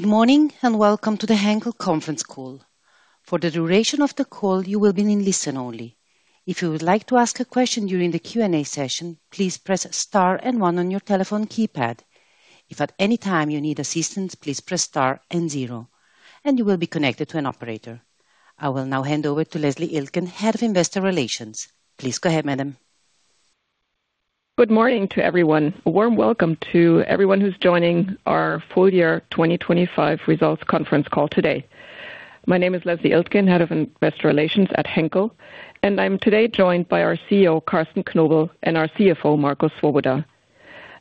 Good morning, and welcome to the Henkel conference call. For the duration of the call, you will be in listen only. If you would like to ask a question during the Q&A session, please press star and one on your telephone keypad. If at any time you need assistance, please press star and zero, and you will be connected to an operator. I will now hand over to Leslie Iltgen, Head of Investor Relations. Please go ahead, madam. Good morning to everyone. A warm welcome to everyone who's joining our full year 2025 results conference call today. My name is Leslie Iltgen, Head of Investor Relations at Henkel, and I'm today joined by our Chief Executive Officer, Carsten Knobel, and our Chief Financial Officer, Marco Swoboda.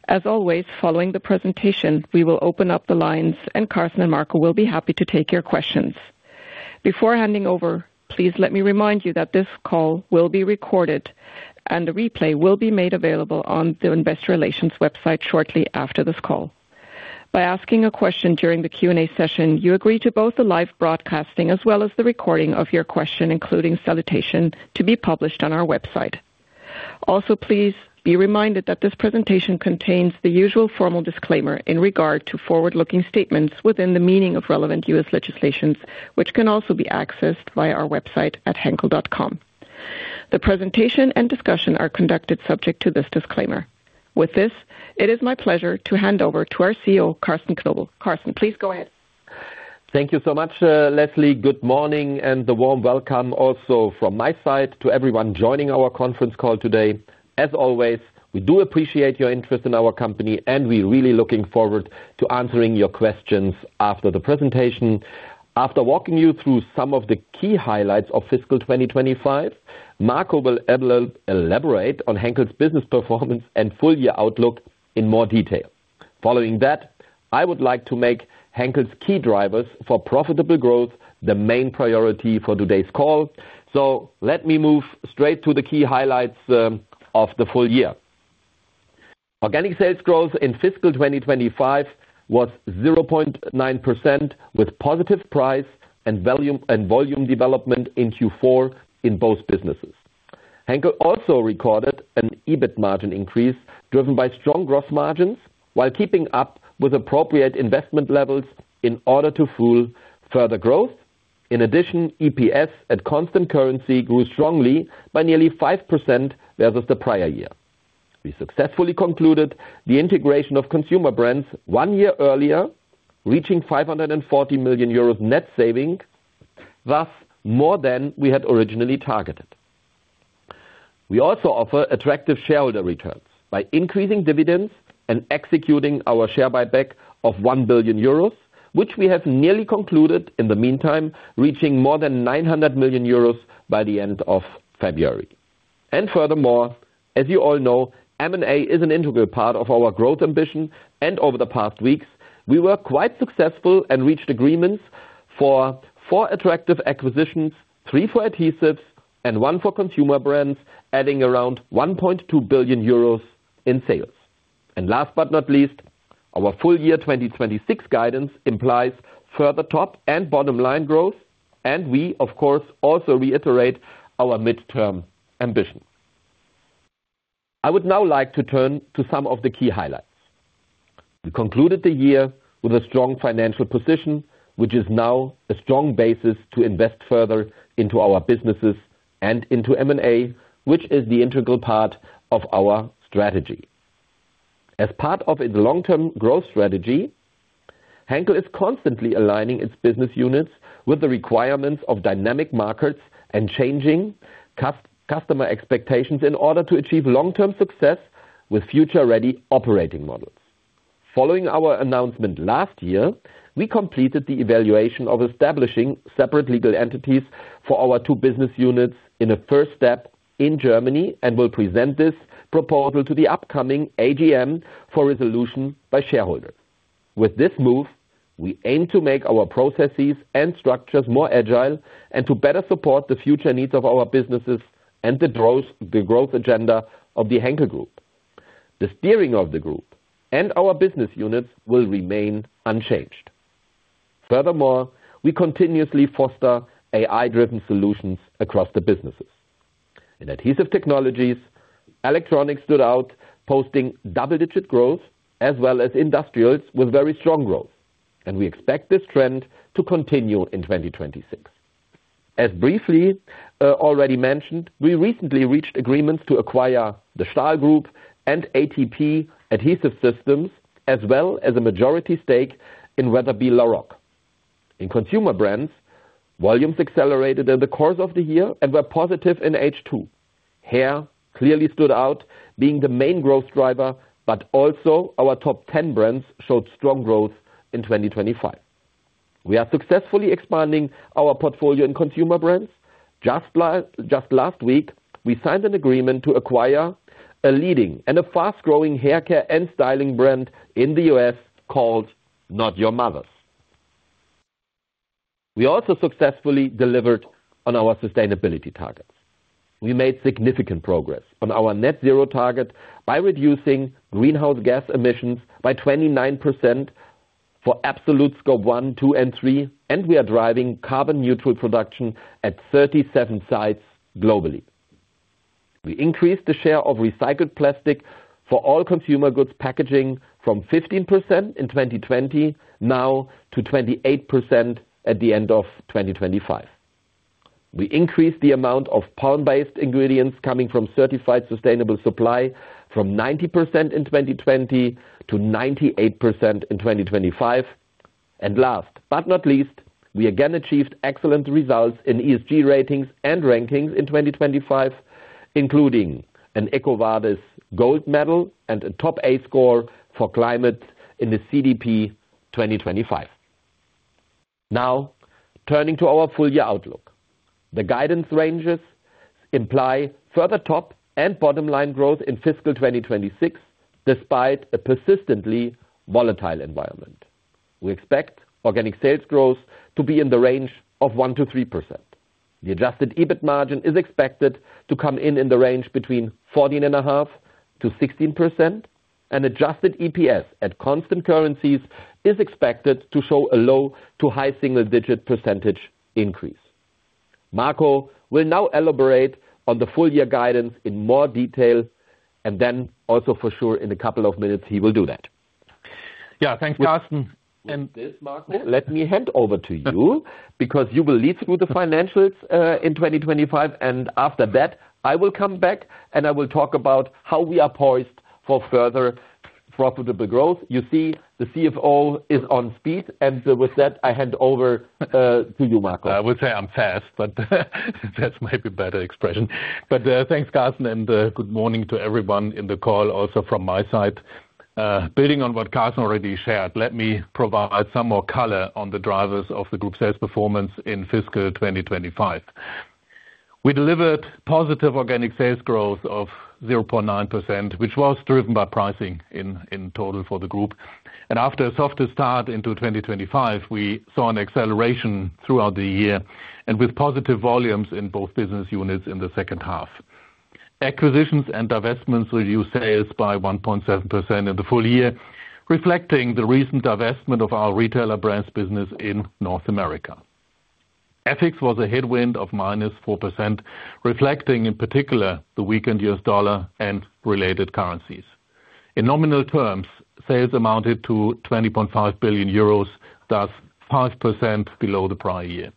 As always, following the presentation, we will open up the lines and Carsten and Marco will be happy to take your questions. Before handing over, please let me remind you that this call will be recorded and a replay will be made available on the investor relations website shortly after this call. By asking a question during the Q&A session, you agree to both the live broadcasting as well as the recording of your question, including salutation, to be published on our website. Also, please be reminded that this presentation contains the usual formal disclaimer in regard to forward-looking statements within the meaning of relevant U.S. legislation, which can also be accessed via our website at henkel.com. The presentation and discussion are conducted subject to this disclaimer. With this, it is my pleasure to hand over to our Chief Executive Officer, Carsten Knobel. Carsten, please go ahead. Thank you so much, Leslie. Good morning and a warm welcome also from my side to everyone joining our conference call today. As always, we do appreciate your interest in our company, and we're really looking forward to answering your questions after the presentation. After walking you through some of the key highlights of fiscal 2025, Marco will elaborate on Henkel's business performance and full year outlook in more detail. Following that, I would like to make Henkel's key drivers for profitable growth the main priority for today's call. Let me move straight to the key highlights of the full year. Organic sales growth in fiscal 2025 was 0.9% with positive price and volume development in Q4 in both businesses. Henkel also recorded an EBIT margin increase driven by strong growth margins while keeping up with appropriate investment levels in order to fuel further growth. In addition, EPS at constant currency grew strongly by nearly 5% versus the prior year. We successfully concluded the integration of Consumer Brands one year earlier, reaching 540 million euros net savings, thus more than we had originally targeted. We also offer attractive shareholder returns by increasing dividends and executing our share buyback of 1 billion euros, which we have nearly concluded in the meantime, reaching more than 900 million euros by the end of February. Furthermore, as you all know, M&A is an integral part of our growth ambition, and over the past weeks we were quite successful and reached agreements for four attractive acquisitions, three for adhesives and one for consumer brands, adding around 1.2 billion euros in sales. Last but not least, our full year 2026 guidance implies further top and bottom line growth, and we of course also reiterate our midterm ambition. I would now like to turn to some of the key highlights. We concluded the year with a strong financial position, which is now a strong basis to invest further into our businesses and into M&A, which is the integral part of our strategy. As part of its long-term growth strategy, Henkel is constantly aligning its business units with the requirements of dynamic markets and changing customer expectations in order to achieve long-term success with future-ready operating models. Following our announcement last year, we completed the evaluation of establishing separate legal entities for our two business units in a first step in Germany and will present this proposal to the upcoming AGM for resolution by shareholders. With this move, we aim to make our processes and structures more agile and to better support the future needs of our businesses and the growth agenda of the Henkel Group. The steering of the group and our business units will remain unchanged. Furthermore, we continuously foster AI-driven solutions across the businesses. In Adhesive Technologies, electronics stood out, posting double-digit growth as well as industrials with very strong growth, and we expect this trend to continue in 2026. As briefly already mentioned, we recently reached agreements to acquire the Stahl Group and ATP Adhesive Systems, as well as a majority stake in Wetherby La Roc. In Consumer Brands, volumes accelerated in the course of the year and were positive in H2. Hair clearly stood out being the main growth driver, but also our top 10 brands showed strong growth in 2025. We are successfully expanding our portfolio in Consumer Brands. Just last week, we signed an agreement to acquire a leading and a fast-growing haircare and styling brand in the U.S. called Not Your Mother's. We also successfully delivered on our sustainability targets. We made significant progress on our net zero target by reducing greenhouse gas emissions by 29% for absolute scope one, two, and three, and we are driving carbon neutral production at 37 sites globally. We increased the share of recycled plastic for all consumer goods packaging from 15% in 2020 now to 28% at the end of 2025. We increased the amount of palm-based ingredients coming from certified sustainable supply from 90% in 2020 to 98% in 2025. Last but not least, we again achieved excellent results in ESG ratings and rankings in 2025, including an EcoVadis Gold medal and a top A score for climate in the CDP 2025. Now, turning to our full year outlook. The guidance ranges imply further top and bottom line growth in fiscal 2026, despite a persistently volatile environment. We expect organic sales growth to be in the range of 1%-3%. The adjusted EBIT margin is expected to come in in the range between 14.5%-16%. Adjusted EPS at constant currencies is expected to show a low to high single-digit percentage increase. Marco will now elaborate on the full year guidance in more detail and then also for sure in a couple of minutes, he will do that. Yeah, thanks, Carsten. With this, Marco, let me hand over to you because you will lead through the financials in 2025, and after that, I will come back, and I will talk about how we are poised for further profitable growth. You see the Chief Financial Officer is on speed dial. With that, I hand over to you, Marco. I would say I'm fast, but that's maybe better expression. Thanks, Carsten, and good morning to everyone in the call, also from my side. Building on what Carsten already shared, let me provide some more color on the drivers of the group sales performance in fiscal 2025. We delivered positive organic sales growth of 0.9%, which was driven by pricing in total for the group. After a softer start into 2025, we saw an acceleration throughout the year and with positive volumes in both business units in the second half. Acquisitions and divestments reduced sales by 1.7% in the full year, reflecting the recent divestment of our retailer brands business in North America. FX was a headwind of -4%, reflecting, in particular, the weakened US dollar and related currencies. In nominal terms, sales amounted to 20.5 billion euros, thus 5% below the prior year.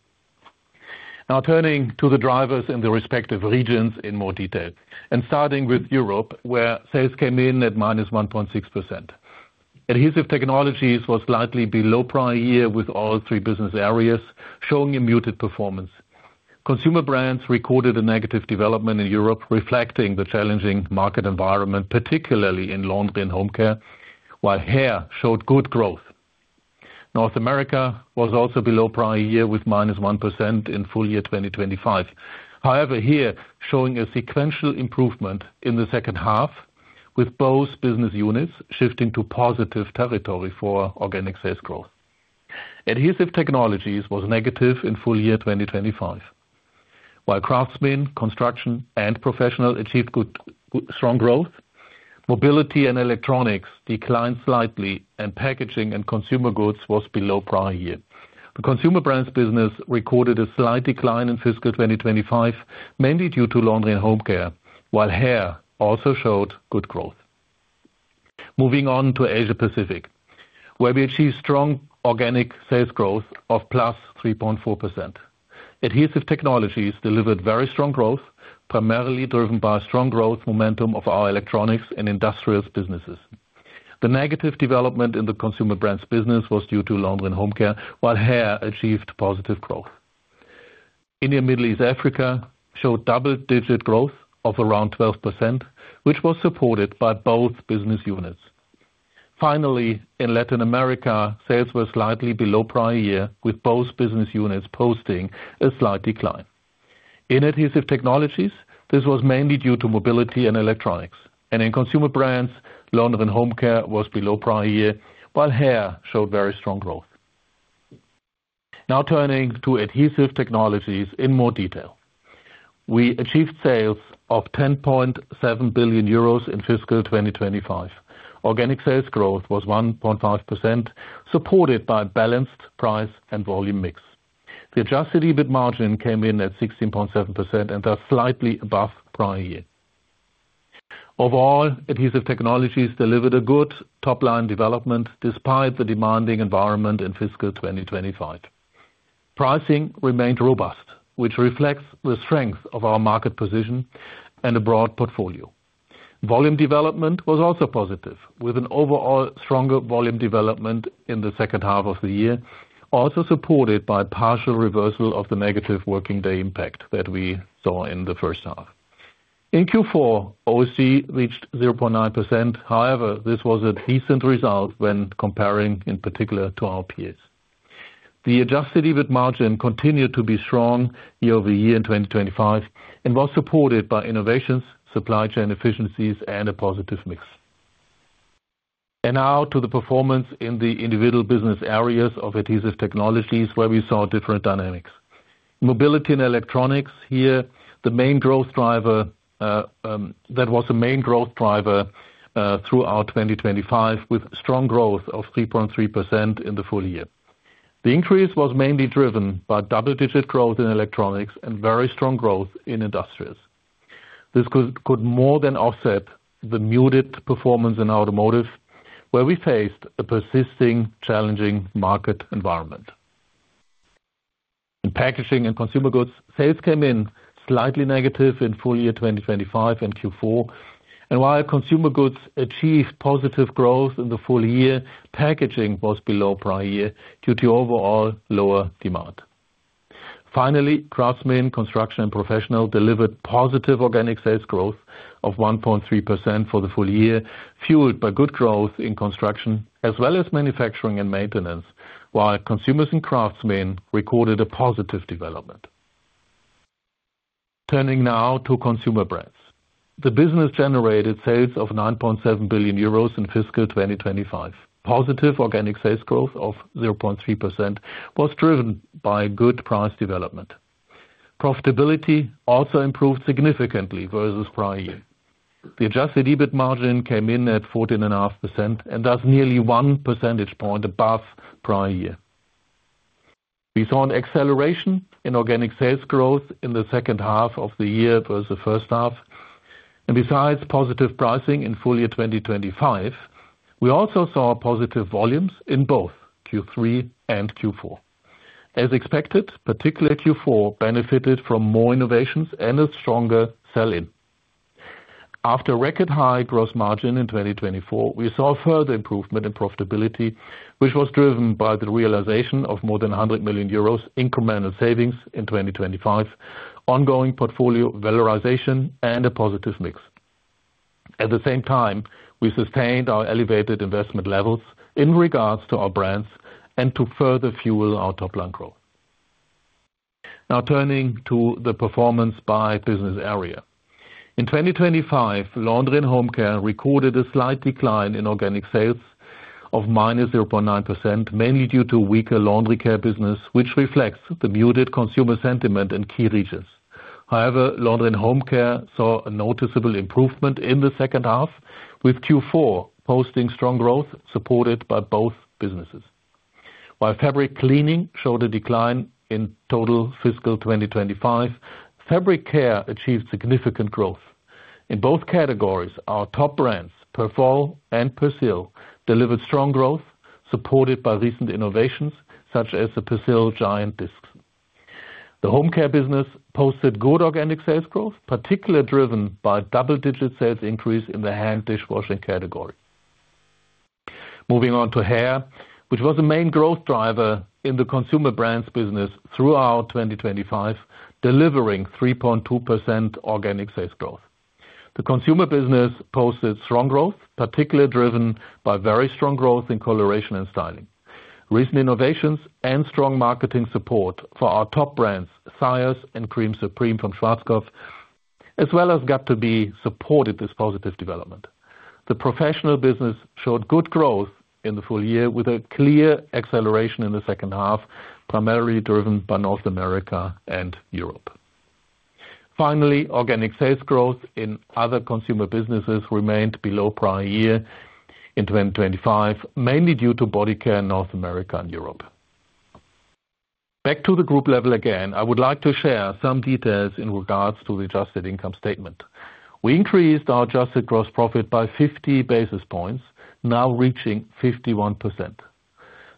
Now turning to the drivers in the respective regions in more detail and starting with Europe, where sales came in at -1.6%. Adhesive Technologies was slightly below prior year, with all three business areas showing a muted performance. Consumer Brands recorded a negative development in Europe, reflecting the challenging market environment, particularly in laundry and home care, while hair showed good growth. North America was also below prior year, with -1% in full year 2025. However, here showing a sequential improvement in the second half, with both business units shifting to positive territory for organic sales growth. Adhesive Technologies was negative in full year 2025. While Craftsmen, Construction, and Professional achieved good strong growth, Mobility & Electronics declined slightly, and Packaging and Consumer Goods was below prior year. The Consumer Brands business recorded a slight decline in fiscal 2025, mainly due to Laundry & Home Care, while hair also showed good growth. Moving on to Asia Pacific, where we achieved strong organic sales growth of +3.4%. Adhesive Technologies delivered very strong growth, primarily driven by strong growth momentum of our electronics and industrials businesses. The negative development in the Consumer Brands business was due to Laundry & Home Care, while hair achieved positive growth. India, Middle East, Africa showed double-digit growth of around 12%, which was supported by both business units. Finally, in Latin America, sales were slightly below prior year, with both business units posting a slight decline. In Adhesive Technologies, this was mainly due to mobility and electronics. In consumer brands, laundry and home care was below prior year, while hair showed very strong growth. Now turning to Adhesive Technologies in more detail. We achieved sales of 10.7 billion euros in fiscal 2025. Organic sales growth was 1.5%, supported by balanced price and volume mix. The adjusted EBIT margin came in at 16.7% and are slightly above prior year. Overall, Adhesive Technologies delivered a good top-line development despite the demanding environment in fiscal 2025. Pricing remained robust, which reflects the strength of our market position and a broad portfolio. Volume development was also positive, with an overall stronger volume development in the second half of the year, also supported by partial reversal of the negative working day impact that we saw in the first half. In Q4, OC reached 0.9%. However, this was a decent result when comparing, in particular, to our peers. The adjusted EBIT margin continued to be strong year-over-year in 2025 and was supported by innovations, supply chain efficiencies, and a positive mix. Now to the performance in the individual business areas of Adhesive Technologies, where we saw different dynamics. Mobility and electronics, the main growth driver, throughout 2025, with strong growth of 3.3% in the full year. The increase was mainly driven by double-digit growth in electronics and very strong growth in industrials. This could more than offset the muted performance in automotive, where we faced a persisting challenging market environment. In packaging and consumer goods, sales came in slightly negative in full year 2025 and Q4. While consumer goods achieved positive growth in the full year, packaging was below prior year due to overall lower demand. Finally, Craftsmen, Construction, and Professional delivered positive organic sales growth of 1.3% for the full year, fueled by good growth in construction as well as manufacturing and maintenance, while consumers and craftsmen recorded a positive development. Turning now to Consumer Brands. The business generated sales of 9.7 billion euros in fiscal 2025. Positive organic sales growth of 0.3% was driven by good price development. Profitability also improved significantly versus prior year. The adjusted EBIT margin came in at 14.5%, and that's nearly one percentage point above prior year. We saw an acceleration in organic sales growth in the second half of the year versus the first half. Besides positive pricing in full year 2025, we also saw positive volumes in both Q3 and Q4. As expected, particularly Q4 benefited from more innovations and a stronger sell-in. After record high gross margin in 2024, we saw further improvement in profitability, which was driven by the realization of more than 100 million euros incremental savings in 2025, ongoing portfolio valorization, and a positive mix. At the same time, we sustained our elevated investment levels in regards to our brands and to further fuel our top line growth. Now turning to the performance by business area. In 2025, Laundry & Home Care recorded a slight decline in organic sales of -0.9%, mainly due to weaker laundry care business, which reflects the muted consumer sentiment in key regions. However, Laundry and Home Care saw a noticeable improvement in the second half, with Q4 posting strong growth supported by both businesses. While fabric cleaning showed a decline in total fiscal 2025, fabric care achieved significant growth. In both categories, our top brands, Perwoll and Persil, delivered strong growth supported by recent innovations such as the Persil Gigant Discs. The home care business posted good organic sales growth, particularly driven by double-digit sales increase in the hand dishwashing category. Moving on to hair, which was the main growth driver in the consumer brands business throughout 2025, delivering 3.2% organic sales growth. The consumer business posted strong growth, particularly driven by very strong growth in coloration and styling. Recent innovations and strong marketing support for our top brands, Syoss and Cream Supreme from Schwarzkopf, as well as göt2b supported this positive development. The professional business showed good growth in the full year with a clear acceleration in the second half, primarily driven by North America and Europe. Organic sales growth in other consumer businesses remained below prior year in 2025, mainly due to body care in North America and Europe. Back to the group level again, I would like to share some details in regards to the adjusted income statement. We increased our adjusted gross profit by 50 basis points, now reaching 51%.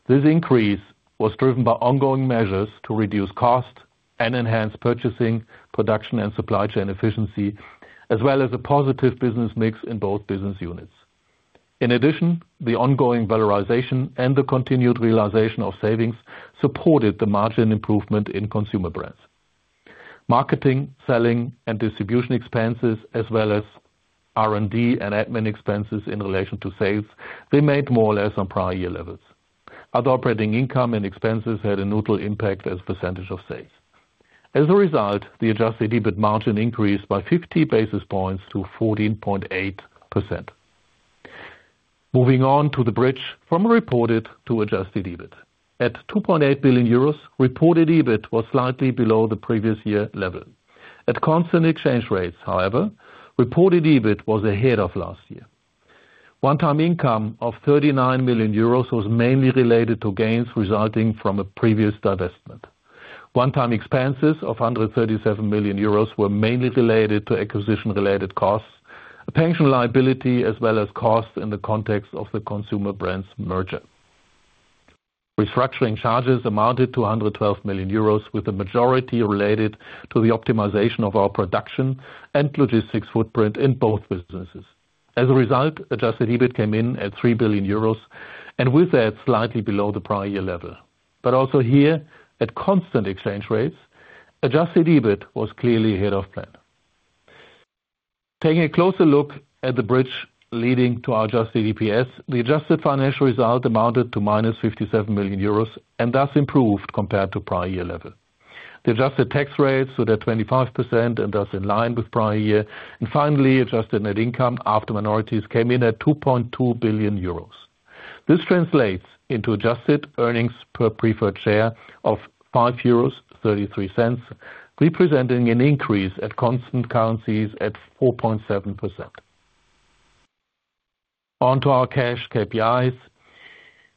This increase was driven by ongoing measures to reduce cost and enhance purchasing, production, and supply chain efficiency, as well as a positive business mix in both business units. In addition, the ongoing valorization and the continued realization of savings supported the margin improvement in consumer brands. Marketing, selling, and distribution expenses, as well as R&D and admin expenses in relation to sales, remained more or less on prior year levels. Other operating income and expenses had a neutral impact as a percentage of sales. As a result, the adjusted EBIT margin increased by 50 basis points to 14.8%. Moving on to the bridge from reported to adjusted EBIT. At 2.8 billion euros, reported EBIT was slightly below the previous year level. At constant exchange rates, however, reported EBIT was ahead of last year. One-time income of 39 million euros was mainly related to gains resulting from a previous divestment. One-time expenses of 137 million euros were mainly related to acquisition-related costs, a pension liability, as well as costs in the context of the Consumer Brands merger. Restructuring charges amounted to 112 million euros, with the majority related to the optimization of our production and logistics footprint in both businesses. As a result, adjusted EBIT came in at 3 billion euros and with that, slightly below the prior year level. Also here, at constant exchange rates, adjusted EBIT was clearly ahead of plan. Taking a closer look at the bridge leading to our adjusted EPS, the adjusted financial result amounted to -57 million euros, and thus improved compared to prior year level. The adjusted tax rates were at 25% and thus in line with prior year. Finally, adjusted net income after minorities came in at 2.2 billion euros. This translates into adjusted earnings per preferred share of 5.33 euros, representing an increase at constant currencies at 4.7%. On to our cash KPIs.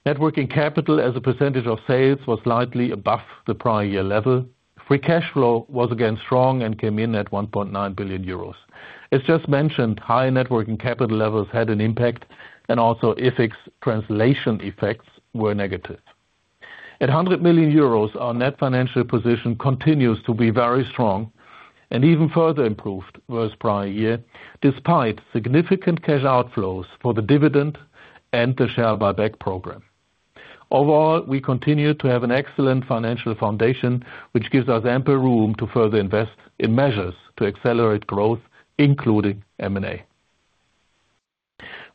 Net working capital as a percentage of sales was slightly above the prior year level. Free cash flow was again strong and came in at 1.9 billion euros. As just mentioned, high net working capital levels had an impact and also FX translation effects were negative. At 100 million euros, our net financial position continues to be very strong and even further improved versus prior year, despite significant cash outflows for the dividend and the share buyback program. Overall, we continue to have an excellent financial foundation, which gives us ample room to further invest in measures to accelerate growth, including M&A.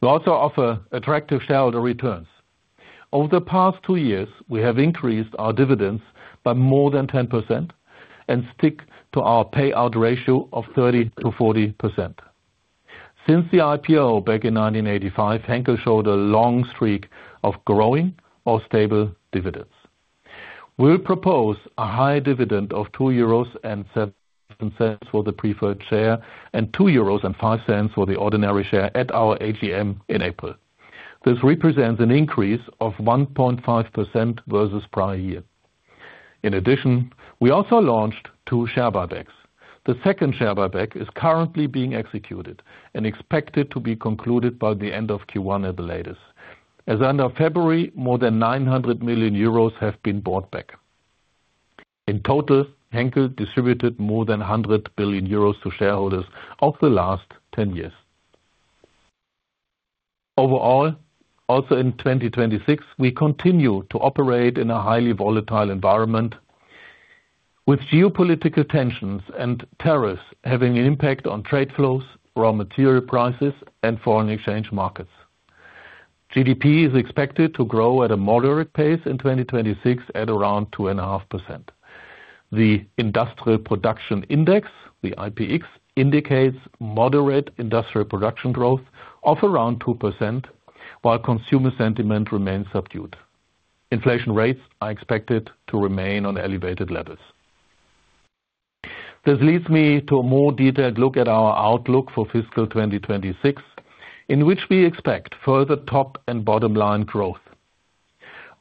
We also offer attractive shareholder returns. Over the past two years, we have increased our dividends by more than 10% and stick to our payout ratio of 30%-40%. Since the IPO back in 1985, Henkel showed a long streak of growing or stable dividends. We'll propose a high dividend of 2.07 euros for the preferred share and 2.05 euros for the ordinary share at our AGM in April. This represents an increase of 1.5% versus prior year. In addition, we also launched two share buybacks. The second share buyback is currently being executed and expected to be concluded by the end of Q1 at the latest. As of end of February, more than 900 million euros have been bought back. In total, Henkel distributed more than 100 billion euros to shareholders over the last 10 years. Overall, also in 2026, we continue to operate in a highly volatile environment with geopolitical tensions and tariffs having an impact on trade flows, raw material prices, and foreign exchange markets. GDP is expected to grow at a moderate pace in 2026 at around 2.5%. The Industrial Production Index, the IPI, indicates moderate industrial production growth of around 2% while consumer sentiment remains subdued. Inflation rates are expected to remain on elevated levels. This leads me to a more detailed look at our outlook for fiscal 2026, in which we expect further top and bottom line growth.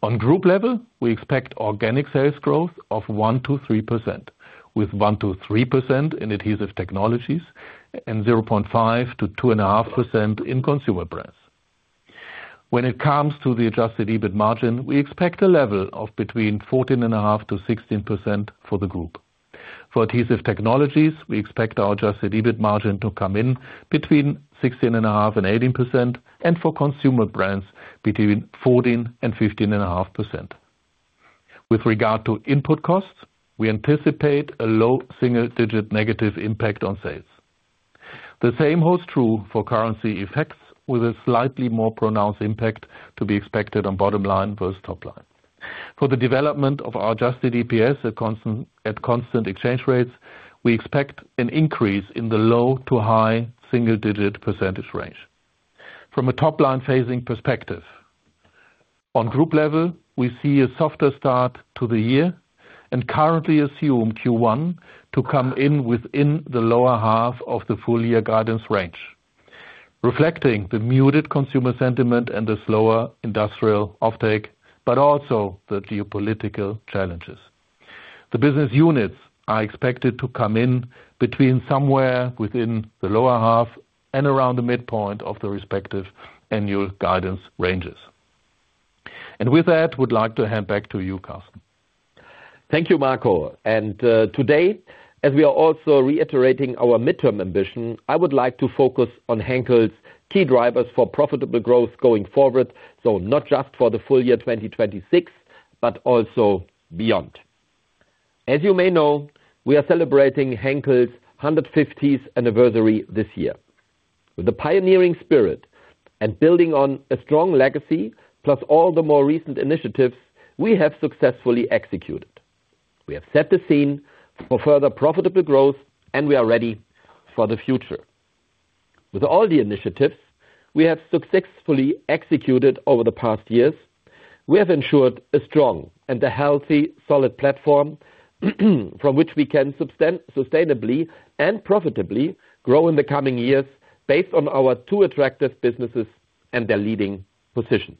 On group level, we expect organic sales growth of 1%-3%, with 1%-3% in Adhesive Technologies and 0.5%-2.5% in Consumer Brands. When it comes to the adjusted EBIT margin, we expect a level of between 14.5%-16% for the group. For Adhesive Technologies, we expect our adjusted EBIT margin to come in between 16.5% and 18%, and for Consumer Brands, between 14% and 15.5%. With regard to input costs, we anticipate a low single-digit negative impact on sales. The same holds true for currency effects, with a slightly more pronounced impact to be expected on bottom line versus top line. For the development of our adjusted EPS at constant exchange rates, we expect an increase in the low to high single-digit percentage range. From a top-line phasing perspective, on group level, we see a softer start to the year and currently assume Q1 to come in within the lower half of the full year guidance range, reflecting the muted consumer sentiment and the slower industrial offtake, but also the geopolitical challenges. The business units are expected to come in between somewhere within the lower half and around the midpoint of the respective annual guidance ranges. With that, would like to hand back to you, Carsten. Thank you, Marco. Today, as we are also reiterating our midterm ambition, I would like to focus on Henkel's key drivers for profitable growth going forward, so not just for the full year 2026, but also beyond. As you may know, we are celebrating Henkel's 150th anniversary this year. With a pioneering spirit and building on a strong legacy, plus all the more recent initiatives we have successfully executed. We have set the scene for further profitable growth, and we are ready for the future. With all the initiatives we have successfully executed over the past years, we have ensured a strong and a healthy, solid platform from which we can sustainably and profitably grow in the coming years based on our two attractive businesses and their leading positions.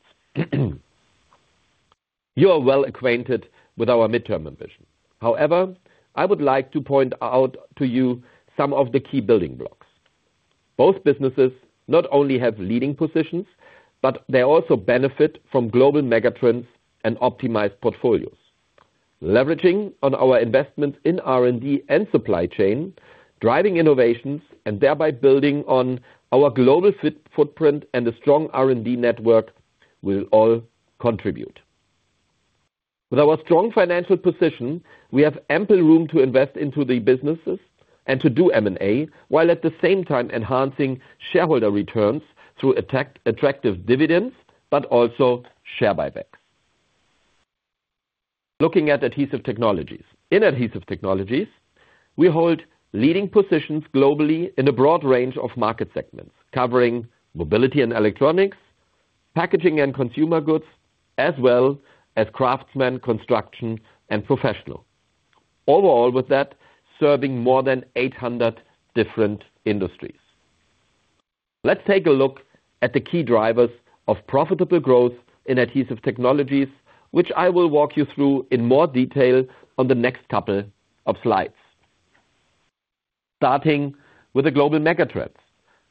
You are well acquainted with our midterm ambition. However, I would like to point out to you some of the key building blocks. Both businesses not only have leading positions, but they also benefit from global mega trends and optimized portfolios. Leveraging on our investments in R&D and supply chain, driving innovations, and thereby building on our global footprint and a strong R&D network will all contribute. With our strong financial position, we have ample room to invest into the businesses and to do M&A, while at the same time enhancing shareholder returns through attractive dividends, but also share buyback. Looking at Adhesive Technologies. In Adhesive Technologies, we hold leading positions globally in a broad range of market segments, covering mobility and electronics, packaging and consumer goods, as well as craftsmen, construction, and professional. Overall with that, serving more than 800 different industries. Let's take a look at the key drivers of profitable growth in Adhesive Technologies, which I will walk you through in more detail on the next couple of slides. Starting with the global megatrends,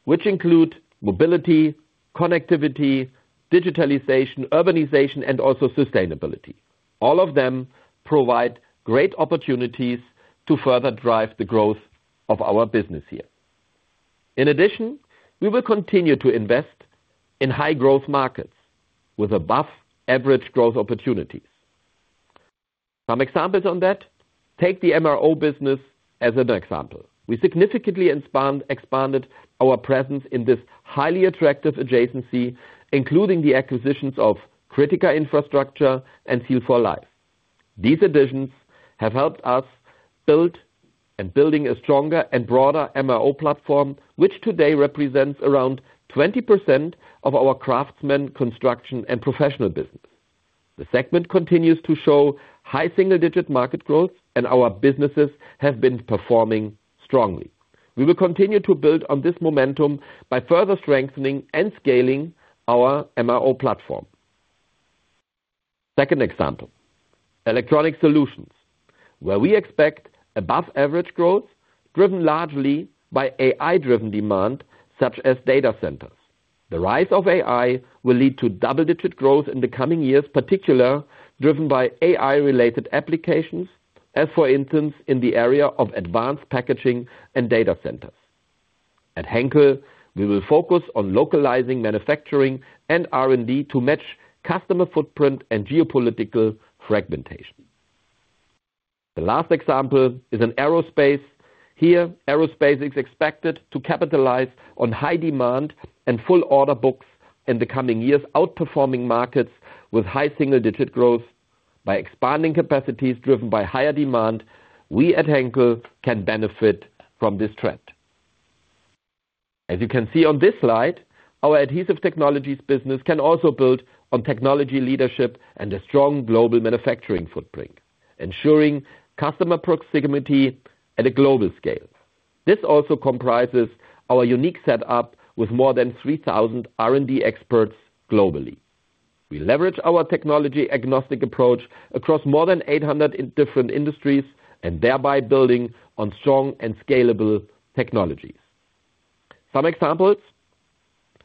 which include mobility, connectivity, digitalization, urbanization, and also sustainability. All of them provide great opportunities to further drive the growth of our business here. In addition, we will continue to invest in high growth markets with above average growth opportunities. Some examples on that. Take the MRO business as an example. We significantly expanded our presence in this highly attractive adjacency, including the acquisitions of Critica Infrastructure and Seal for Life. These additions have helped us build a stronger and broader MRO platform, which today represents around 20% of our Craftsmen, Construction and Professional business. The segment continues to show high single-digit market growth and our businesses have been performing strongly. We will continue to build on this momentum by further strengthening and scaling our MRO platform. Second example, electronic solutions, where we expect above average growth, driven largely by AI-driven demand, such as data centers. The rise of AI will lead to double-digit growth in the coming years, particularly driven by AI-related applications, as for instance, in the area of advanced packaging and data centers. At Henkel, we will focus on localizing manufacturing and R&D to match customer footprint and geopolitical fragmentation. The last example is in aerospace. Here, aerospace is expected to capitalize on high demand and full order books in the coming years, outperforming markets with high single-digit growth. By expanding capacities driven by higher demand, we at Henkel can benefit from this trend. As you can see on this slide, our Adhesive Technologies business can also build on technology leadership and a strong global manufacturing footprint, ensuring customer proximity at a global scale. This also comprises our unique setup with more than 3,000 R&D experts globally. We leverage our technology agnostic approach across more than 800 in different industries, and thereby building on strong and scalable technologies. Some examples.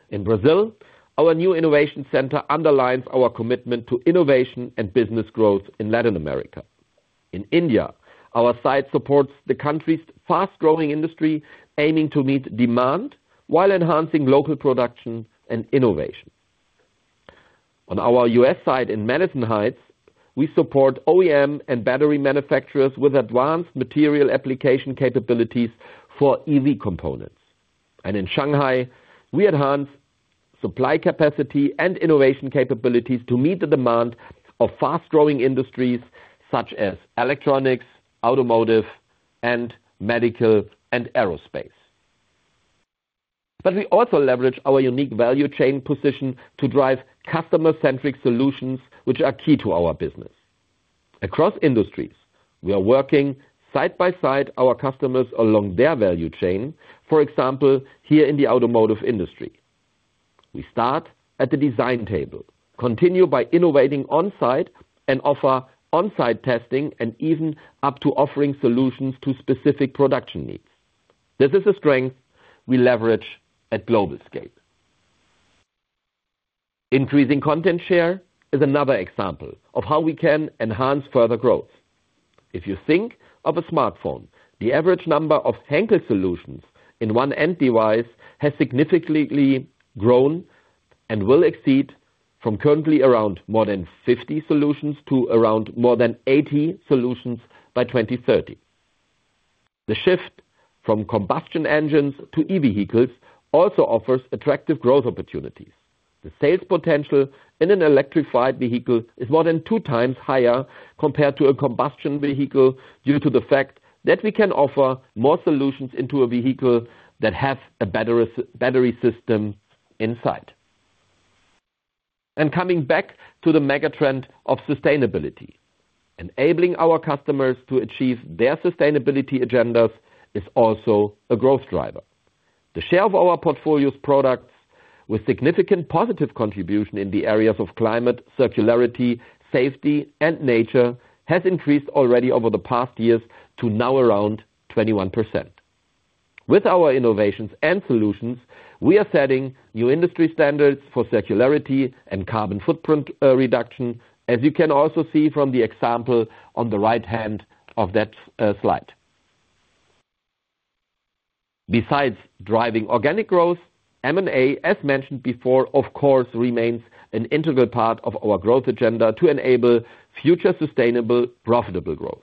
In Brazil, our new innovation center underlines our commitment to innovation and business growth in Latin America. In India, our site supports the country's fast-growing industry, aiming to meet demand while enhancing local production and innovation. On our U.S. site in Madison Heights, we support OEM and battery manufacturers with advanced material application capabilities for EV components. In Shanghai, we enhance supply capacity and innovation capabilities to meet the demand of fast-growing industries such as electronics, automotive, and medical, and aerospace. We also leverage our unique value chain position to drive customer-centric solutions which are key to our business. Across industries, we are working side by side with our customers along their value chain, for example, here in the automotive industry. We start at the design table, continue by innovating on-site and offer on-site testing and even up to offering solutions to specific production needs. This is a strength we leverage at global scale. Increasing content share is another example of how we can enhance further growth. If you think of a smartphone, the average number of Henkel solutions in one end device has significantly grown and will go from currently around more than 50 solutions to around more than 80 solutions by 2030. The shift from combustion engines to EVs also offers attractive growth opportunities. The sales potential in an electrified vehicle is more than two times higher compared to a combustion vehicle due to the fact that we can offer more solutions into a vehicle that have a battery system inside. Coming back to the mega trend of sustainability. Enabling our customers to achieve their sustainability agendas is also a growth driver. The share of our portfolio's products with significant positive contribution in the areas of climate, circularity, safety, and nature has increased already over the past years to now around 21%. With our innovations and solutions, we are setting new industry standards for circularity and carbon footprint reduction, as you can also see from the example on the right hand of that slide. Besides driving organic growth, M&A, as mentioned before, of course, remains an integral part of our growth agenda to enable future sustainable, profitable growth.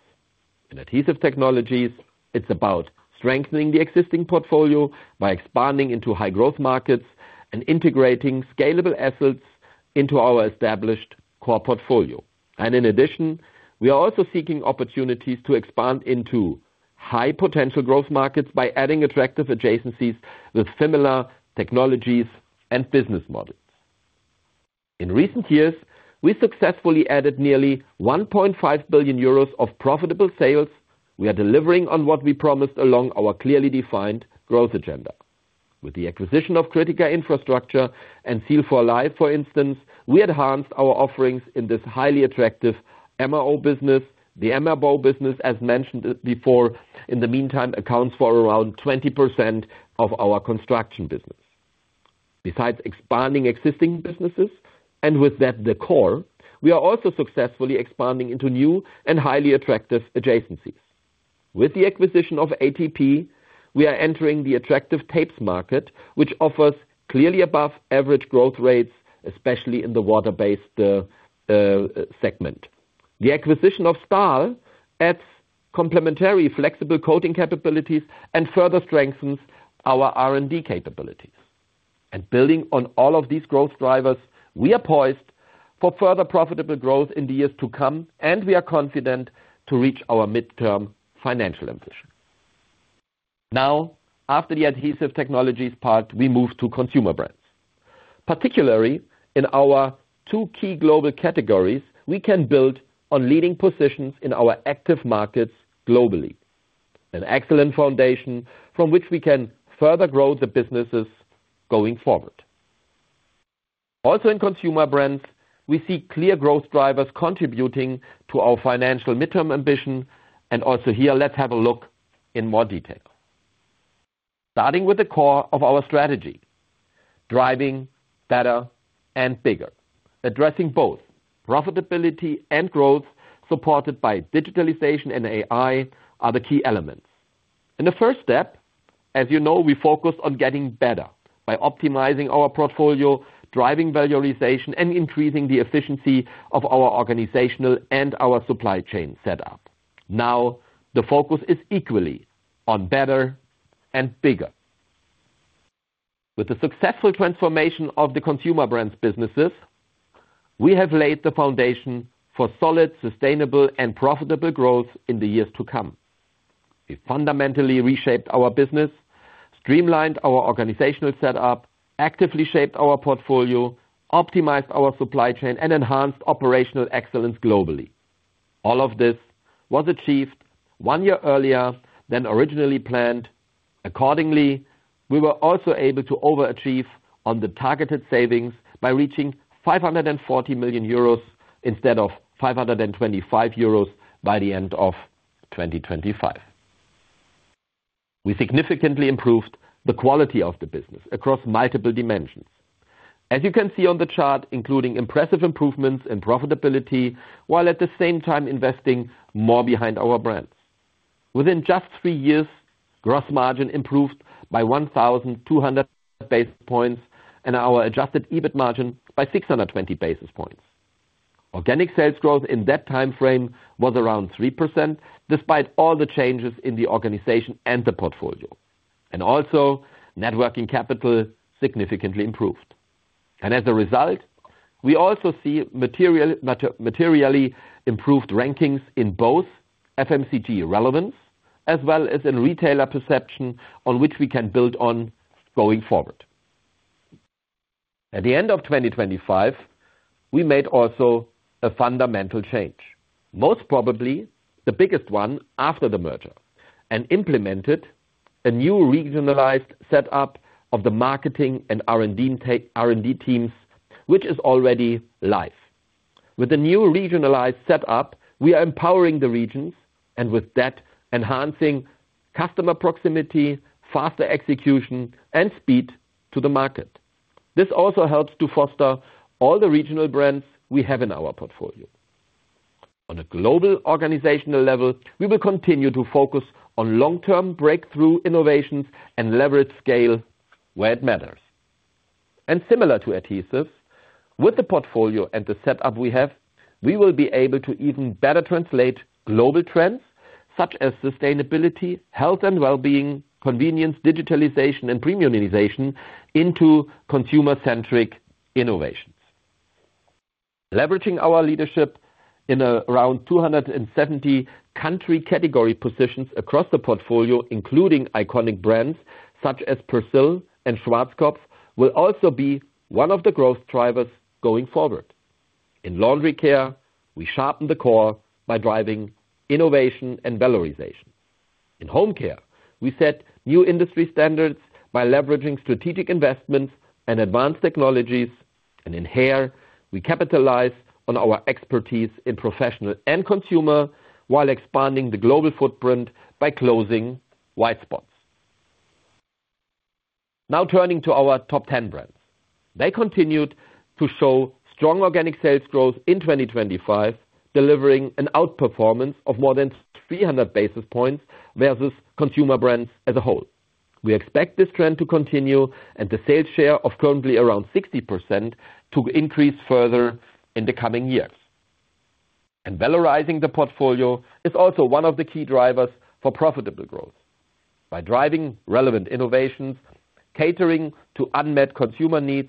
In Adhesive Technologies, it's about strengthening the existing portfolio by expanding into high growth markets and integrating scalable assets into our established core portfolio. In addition, we are also seeking opportunities to expand into high potential growth markets by adding attractive adjacencies with similar technologies and business models. In recent years, we successfully added nearly 1.5 billion euros of profitable sales. We are delivering on what we promised along our clearly defined growth agenda. With the acquisition of Critica Infrastructure and Seal for Life, for instance, we enhanced our offerings in this highly attractive MRO business. The MRO business, as mentioned before, in the meantime, accounts for around 20% of our construction business. Besides expanding existing businesses, and with that the core, we are also successfully expanding into new and highly attractive adjacencies. With the acquisition of ATP, we are entering the attractive tapes market, which offers clearly above average growth rates, especially in the water-based segment. The acquisition of Stahl adds complementary flexible coating capabilities and further strengthens our R&D capabilities. Building on all of these growth drivers, we are poised for further profitable growth in the years to come, and we are confident to reach our midterm financial ambition. Now, after the Adhesive Technologies part, we move to Consumer Brands. Particularly in our two key global categories, we can build on leading positions in our active markets globally, an excellent foundation from which we can further grow the businesses going forward. Also in Consumer Brands, we see clear growth drivers contributing to our financial midterm ambition and also here let's have a look in more detail. Starting with the core of our strategy, driving better and bigger, addressing both profitability and growth, supported by digitalization and AI are the key elements. In the first step, as you know, we focus on getting better by optimizing our portfolio, driving valorization, and increasing the efficiency of our organizational and our supply chain setup. Now, the focus is equally on better and bigger. With the successful transformation of the consumer brands businesses, we have laid the foundation for solid, sustainable, and profitable growth in the years to come. We fundamentally reshaped our business, streamlined our organizational setup, actively shaped our portfolio, optimized our supply chain, and enhanced operational excellence globally. All of this was achieved one year earlier than originally planned. Accordingly, we were also able to overachieve on the targeted savings by reaching 540 million euros instead of 525 million euros by the end of 2025. We significantly improved the quality of the business across multiple dimensions. As you can see on the chart, including impressive improvements in profitability, while at the same time investing more behind our brands. Within just three years, gross margin improved by 1,200 basis points and our adjusted EBIT margin by 620 basis points. Organic sales growth in that time frame was around 3% despite all the changes in the organization and the portfolio. Net working capital significantly improved. As a result, we also see materially improved rankings in both FMCG relevance as well as in retailer perception on which we can build on going forward. At the end of 2025, we made also a fundamental change, most probably the biggest one after the merger, and implemented a new regionalized set up of the marketing and R&D teams, which is already live. With the new regionalized set-up, we are empowering the regions and with that, enhancing customer proximity, faster execution, and speed to the market. This also helps to foster all the regional brands we have in our portfolio. On a global organizational level, we will continue to focus on long-term breakthrough innovations and leverage scale where it matters. Similar to adhesives, with the portfolio and the setup we have, we will be able to even better translate global trends such as sustainability, health and wellbeing, convenience, digitalization, and premiumization into consumer-centric innovations. Leveraging our leadership in around 270 country category positions across the portfolio, including iconic brands such as Persil and Schwarzkopf, will also be one of the growth drivers going forward. In laundry care, we sharpen the core by driving innovation and valorization. In home care, we set new industry standards by leveraging strategic investments and advanced technologies. In hair, we capitalize on our expertise in professional and consumer while expanding the global footprint by closing white spots. Now turning to our top 10 brands. They continued to show strong organic sales growth in 2025, delivering an outperformance of more than 300 basis points versus consumer brands as a whole. We expect this trend to continue and the sales share of currently around 60% to increase further in the coming years. Valorizing the portfolio is also one of the key drivers for profitable growth. By driving relevant innovations, catering to unmet consumer needs,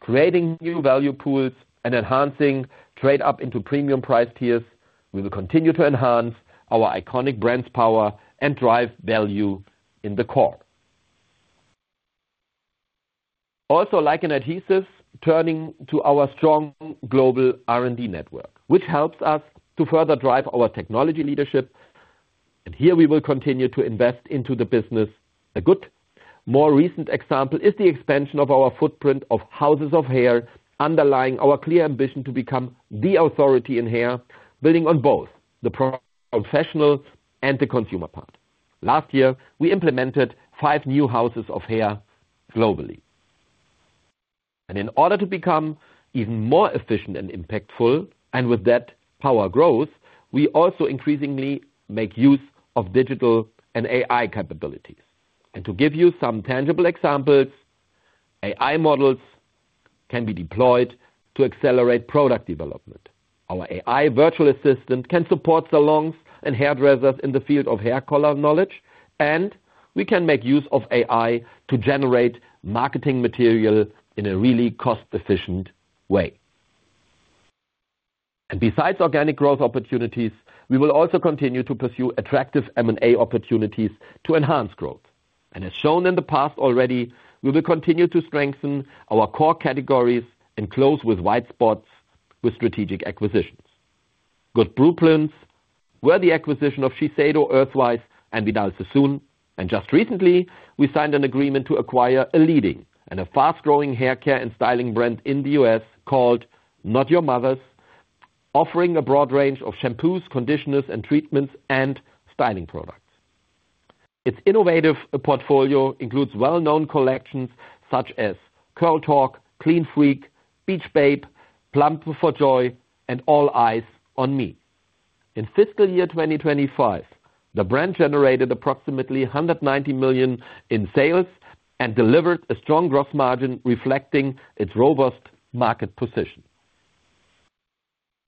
creating new value pools, and enhancing trade up into premium price tiers, we will continue to enhance our iconic brands power and drive value in the core. Also like in adhesives, turning to our strong global R&D network, which helps us to further drive our technology leadership. Here we will continue to invest into the business. A good, more recent example is the expansion of our footprint of houses of hair, underlying our clear ambition to become the authority in hair, building on both the professional and the consumer part. Last year, we implemented five new houses of hair globally. In order to become even more efficient and impactful, and with that power growth, we also increasingly make use of digital and AI capabilities. To give you some tangible examples, AI models can be deployed to accelerate product development. Our AI virtual assistant can support salons and hairdressers in the field of hair color knowledge, and we can make use of AI to generate marketing material in a really cost-efficient way. Besides organic growth opportunities, we will also continue to pursue attractive M&A opportunities to enhance growth. As shown in the past already, we will continue to strengthen our core categories and close white spots with strategic acquisitions. Good blueprints were the acquisition of Shiseido, Earthwise and Vidal Sassoon. Just recently, we signed an agreement to acquire a leading and a fast-growing hair care and styling brand in the US called Not Your Mother's, offering a broad range of shampoos, conditioners and treatments and styling products. Its innovative portfolio includes well-known collections such as Curl Talk, Clean Freak, Beach Babe, Plump for Joy and All Eyes On Me. In fiscal year 2025, the brand generated approximately 190 million in sales and delivered a strong growth margin, reflecting its robust market position.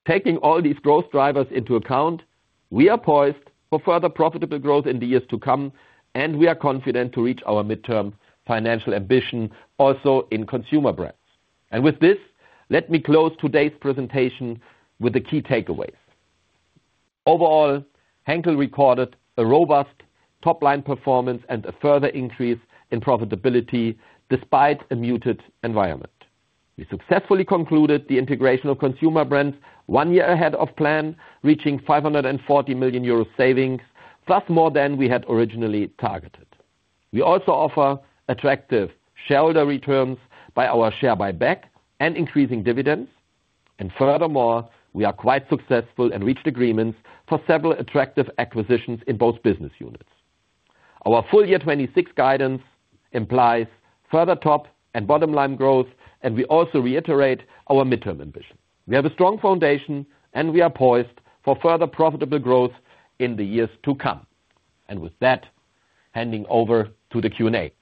Taking all these growth drivers into account, we are poised for further profitable growth in the years to come, and we are confident to reach our midterm financial ambition also in Consumer Brands. With this, let me close today's presentation with the key takeaways. Overall, Henkel recorded a robust top line performance and a further increase in profitability despite a muted environment. We successfully concluded the integration of Consumer Brands one year ahead of plan, reaching 540 million euros savings, thus more than we had originally targeted. We also offer attractive shareholder returns by our share buyback and increasing dividends. Furthermore, we are quite successful and reached agreements for several attractive acquisitions in both business units. Our full year 2026 guidance implies further top and bottom line growth, and we also reiterate our midterm ambition. We have a strong foundation and we are poised for further profitable growth in the years to come. With that, handing over to the Q&A.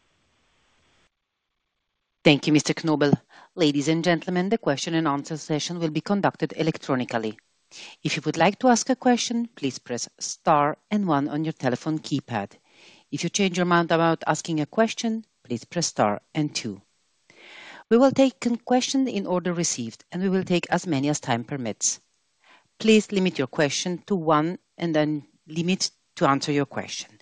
Thank you, Mr. Knobel. Ladies and gentlemen, the question and answer session will be conducted electronically. If you would like to ask a question, please press star and one on your telephone keypad. If you change your mind about asking a question, please press star and two. We will take questions in order received, and we will take as many as time permits. Please limit your question to one and then limit to answer your question.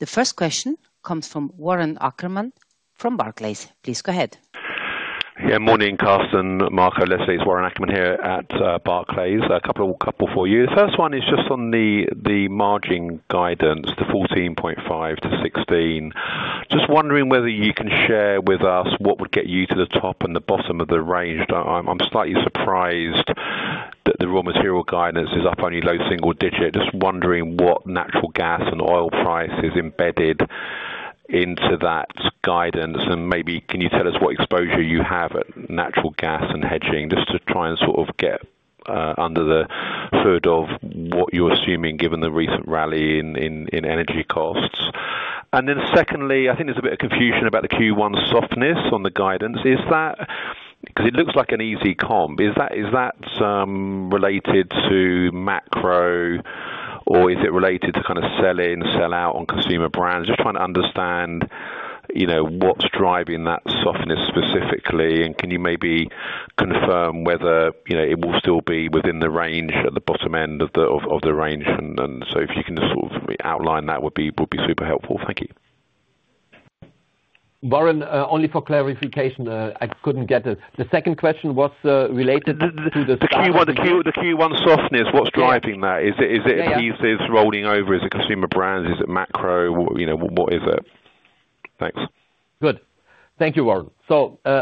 The first question comes from Warren Ackerman from Barclays. Please go ahead. Yeah. Morning, Carsten, Marco. This is Warren Ackerman here at Barclays. A couple for you. The first one is just on the margin guidance, the 14.5%-16%. Just wondering whether you can share with us what would get you to the top and the bottom of the range. I'm slightly surprised that the raw material guidance is up only low single-digit %. Just wondering what natural gas and oil price is embedded into that guidance and maybe can you tell us what exposure you have at natural gas and hedging, just to try and sort of get under the hood of what you're assuming given the recent rally in energy costs. Secondly, I think there's a bit of confusion about the Q1 softness on the guidance. Is that 'cause it looks like an easy comp? Is that related to macro or is it related to kind of sell in, sell out on Consumer Brands? Just trying to understand, you know, what's driving that softness specifically. Can you maybe confirm whether, you know, it will still be within the range at the bottom end of the range, and so if you can just sort of outline that would be super helpful. Thank you. Warren, only for clarification, I couldn't get it. The second question was related to the- The Q1 softness. What's driving that? Is it pieces rolling over? Is it Consumer Brands? Is it macro? You know, what is it? Thanks. Good. Thank you, Warren.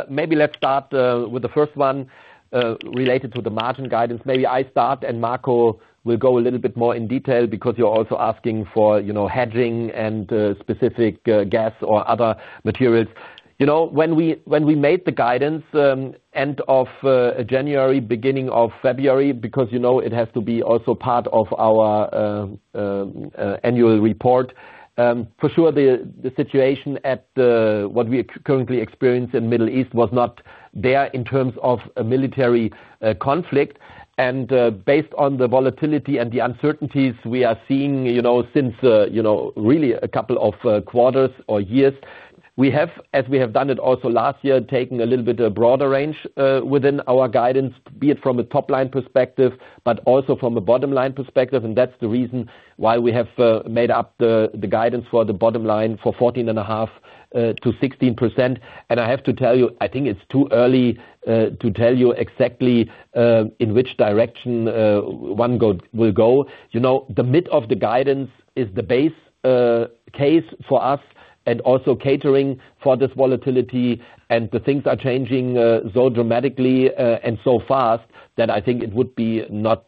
Maybe let's start with the first one related to the margin guidance. Maybe I start and Marco will go a little bit more in detail because you're also asking for, you know, hedging and specific gas or other materials. You know, when we made the guidance end of January, beginning of February, because, you know, it has to be also part of our annual report. For sure, the situation that we currently experience in the Middle East was not there in terms of a military conflict. Based on the volatility and the uncertainties we are seeing, you know, since you know really a couple of quarters or years. We have, as we have done it also last year, taken a little bit broader range within our guidance, be it from a top line perspective, but also from a bottom line perspective. That's the reason why we have made the guidance for the bottom line for 14.5%-16%. I have to tell you, I think it's too early to tell you exactly in which direction it will go. You know, the mid of the guidance is the base case for us and also catering for this volatility. The things are changing so dramatically and so fast that I think it would be not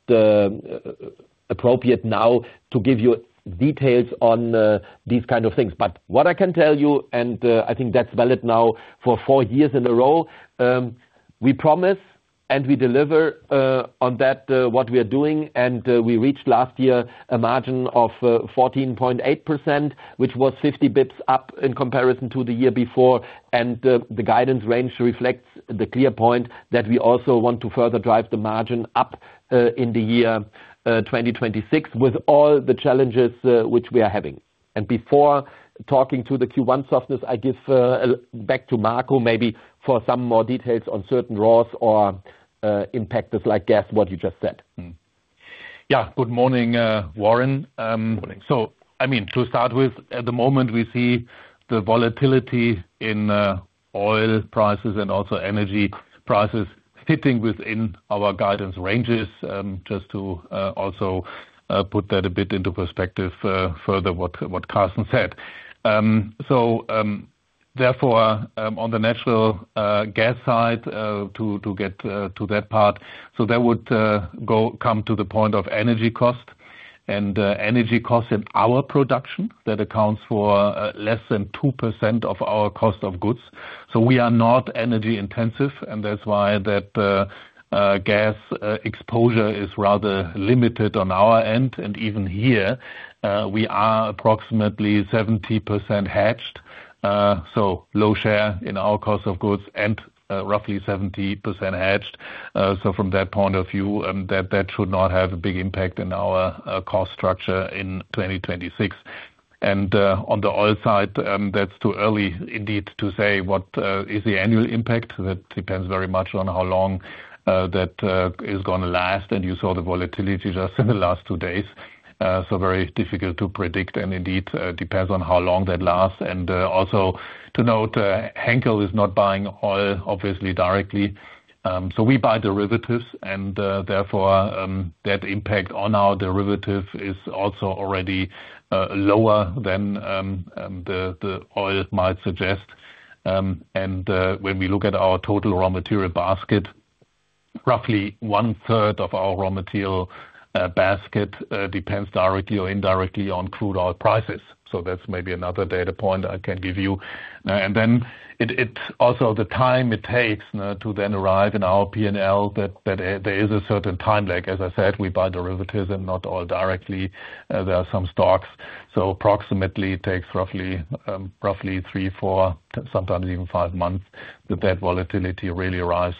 appropriate now to give you details on these kind of things. What I can tell you, I think that's valid now for four years in a row, we promise and we deliver on that what we are doing. We reached last year a margin of 14.8%, which was 50 basis points up in comparison to the year before. The guidance range reflects the clear point that we also want to further drive the margin up in the year 2026 with all the challenges which we are having. Before talking to the Q1 softness, I give back to Marco maybe for some more details on certain raws or impactors like gas, what you just said. Yeah. Good morning, Warren. I mean, to start with, at the moment we see the volatility in oil prices and also energy prices fitting within our guidance ranges. Just to also put that a bit into perspective, further what Carsten said. Therefore, on the natural gas side, to get to that part. That would come to the point of energy cost and energy cost in our production that accounts for less than 2% of our cost of goods. We are not energy intensive, and that's why that gas exposure is rather limited on our end. Even here, we are approximately 70% hedged, so low share in our cost of goods and roughly 70% hedged. From that point of view, that should not have a big impact in our cost structure in 2026. On the oil side, that's too early indeed to say what is the annual impact. That depends very much on how long that is gonna last. You saw the volatility just in the last two days. Very difficult to predict and indeed depends on how long that lasts. Also to note, Henkel is not buying oil obviously directly. We buy derivatives and therefore that impact on our derivative is also already lower than the oil might suggest. When we look at our total raw material basket, roughly one third of our raw material basket depends directly or indirectly on crude oil prices. That's maybe another data point I can give you. It's also the time it takes to then arrive in our PNL, that there is a certain time lag. As I said, we buy derivatives and not oil directly. There are some stocks, so approximately it takes roughly 3, 4, sometimes even 5 months that volatility really arrives.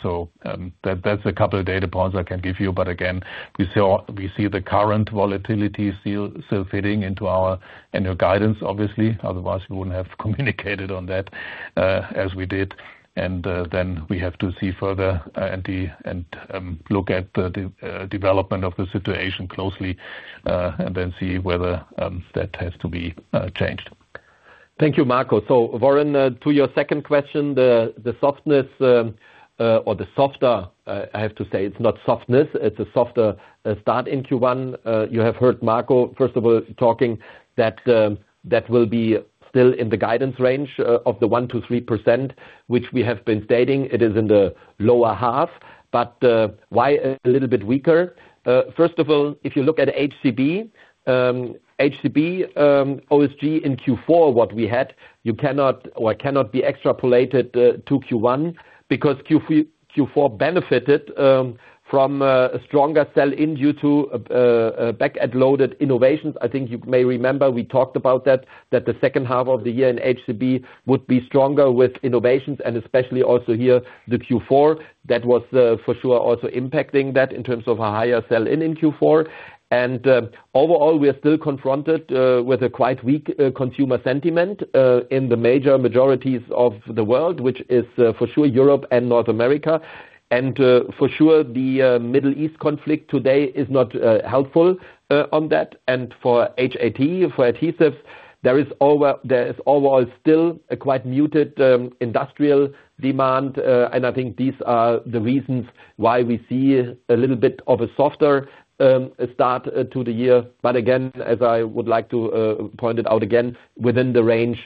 That's a couple of data points I can give you. Again, we see the current volatility still fitting into our annual guidance obviously. Otherwise, we wouldn't have communicated on that, as we did. then we have to see further and look at the development of the situation closely and then see whether that has to be changed. Thank you, Marco. Warren, to your second question, the softness or the softer, I have to say it's not softness, it's a softer start in Q1. You have heard Marco, first of all, talking that it will be still in the guidance range of the 1%-3% which we have been stating. It is in the lower half. Why a little bit weaker? First of all, if you look at HCB OSG in Q4, what we had, you cannot be extrapolated to Q1 because Q4 benefited from a stronger sell in due to back-end loaded innovations. I think you may remember we talked about that the second half of the year in HCB would be stronger with innovations and especially also here the Q4 that was for sure also impacting that in terms of a higher sell-in in Q4. Overall, we are still confronted with a quite weak consumer sentiment in the major markets of the world, which is for sure Europe and North America. For sure the Middle East conflict today is not helpful on that. For HAT, for adhesives, there is overall still a quite muted industrial demand. I think these are the reasons why we see a little bit of a softer start to the year. Again, as I would like to point it out again, within the range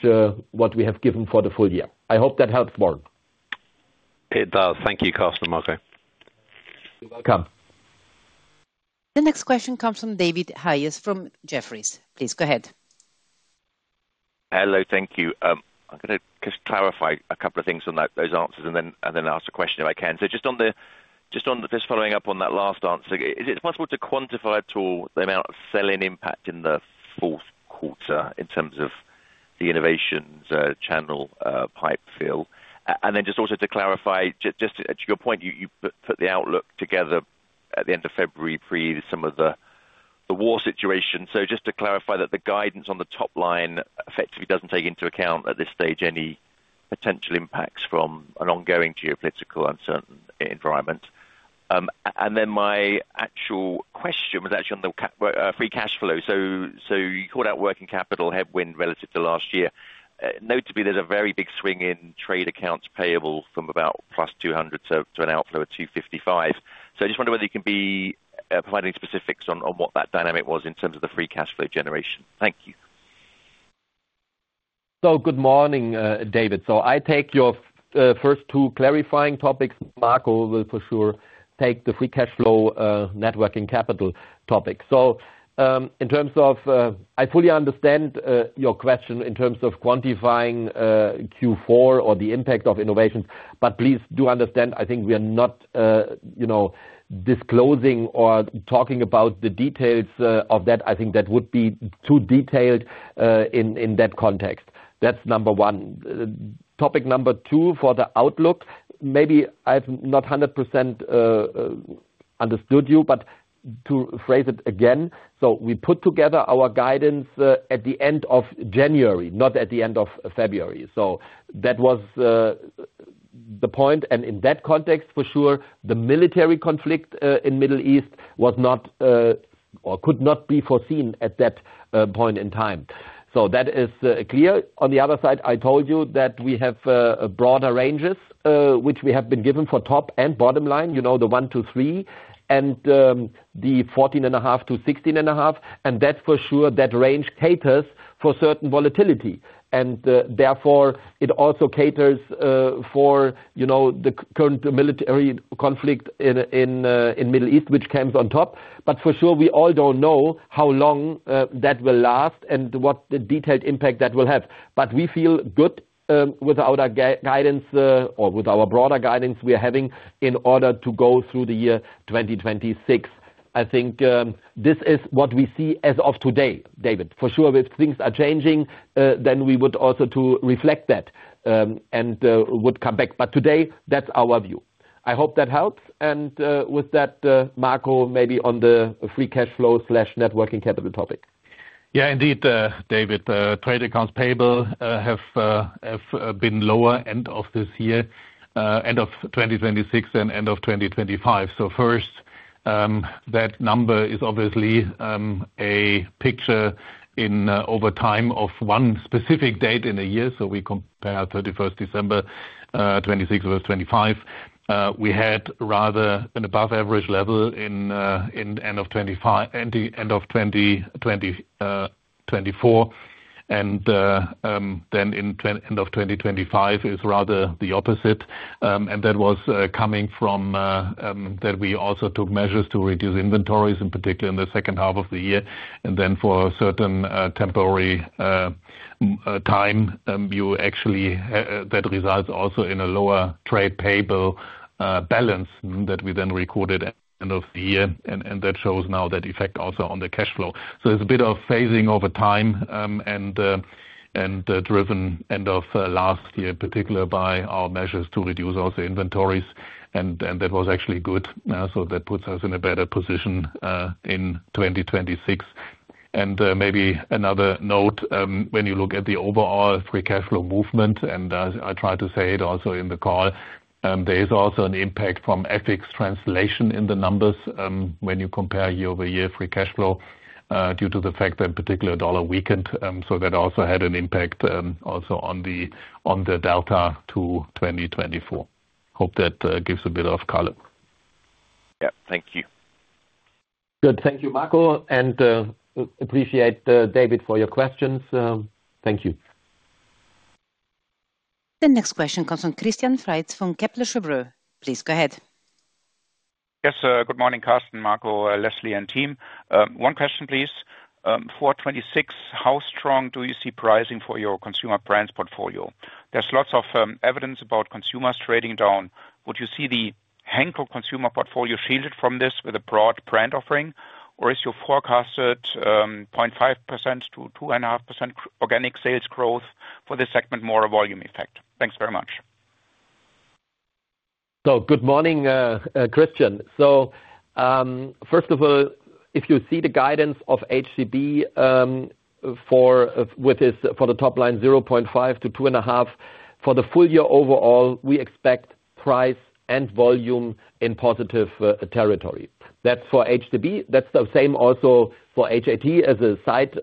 what we have given for the full year. I hope that helps, Warren. It does. Thank you, Carsten and Marco. You're welcome. The next question comes from David Hayes from Jefferies. Please go ahead. Hello. Thank you. I'm gonna just clarify a couple of things on that, those answers and then ask a question if I can. Just following up on that last answer, is it possible to quantify at all the amount of sell-in impact in the fourth quarter in terms of the innovations, channel, pipe fill? Then just also to clarify, just to your point, you put the outlook together at the end of February, pre some of the war situation. Just to clarify that the guidance on the top line effectively doesn't take into account, at this stage, any potential impacts from an ongoing geopolitical uncertain environment. Then my actual question was actually on the free cash flow. You called out working capital headwind relative to last year. Notably, there's a very big swing in trade accounts payable from about +200 to an outflow of -255. I just wonder whether you can be providing specifics on what that dynamic was in terms of the free cash flow generation. Thank you. Good morning, David. I take your first two clarifying topics. Marco will for sure take the free cash flow, net working capital topic. In terms of, I fully understand your question in terms of quantifying Q4 or the impact of innovations, but please do understand, I think we are not, you know, disclosing or talking about the details of that. I think that would be too detailed in that context. That's number one. Topic number two, for the outlook, maybe I've not 100% understood you, but to phrase it again, we put together our guidance at the end of January, not at the end of February. That was the point and in that context for sure, the military conflict in Middle East was not or could not be foreseen at that point in time. That is clear. On the other side, I told you that we have broader ranges which we have been given for top and bottom line, you know, the 1%-3% and the 14.5%-16.5%. That's for sure that range caters for certain volatility and therefore it also caters for, you know, the current military conflict in Middle East, which comes on top. For sure, we all don't know how long that will last and what the detailed impact that will have. We feel good with our guidance or with our broader guidance we are having in order to go through the year 2026. I think this is what we see as of today, David. For sure, if things are changing, then we would also have to reflect that and would come back. Today, that's our view. I hope that helps and with that, Marco, maybe on the free cash flow/net working capital topic. Yeah, indeed, David. Trade accounts payable have been lower end of this year, end of 2026 and end of 2025. First, that number is obviously a picture in time of one specific date in a year. We compare thirty-first December, 2026 versus 2025. We had rather an above average level in end of 2024. Then in end of 2025 is rather the opposite. That was coming from that we also took measures to reduce inventories, in particular in the second half of the year. Then for a certain temporary time, that results also in a lower trade payable balance that we then recorded end of the year and that shows now that effect also on the cash flow. It's a bit of phasing over time and driven end of last year, in particular by our measures to reduce all the inventories and that was actually good. That puts us in a better position in 2026. Maybe another note, when you look at the overall free cash flow movement and I tried to say it also in the call, there is also an impact from FX translation in the numbers, when you compare year-over-year free cash flow, due to the fact that the US dollar weakened. That also had an impact also on the delta to 2024. Hope that gives a bit of color. Yeah. Thank you. Good. Thank you, Marco. Appreciate, David, for your questions. Thank you. The next question comes from Christian Faitz from Kepler Cheuvreux. Please go ahead. Yes, sir. Good morning, Carsten, Marco, Leslie, and team. One question, please. 426, how strong do you see pricing for your consumer brands portfolio? There's lots of evidence about consumers trading down. Would you see the Henkel consumer portfolio shielded from this with a broad brand offering? Or is your forecasted 0.5%-2.5% organic sales growth for this segment more a volume effect? Thanks very much. Good morning, Christian. First of all, if you see the guidance of HCB, with its top line 0.5%-2.5%, for the full year overall, we expect price and volume in positive territory. That's for HCB, that's the same also for HAT as a side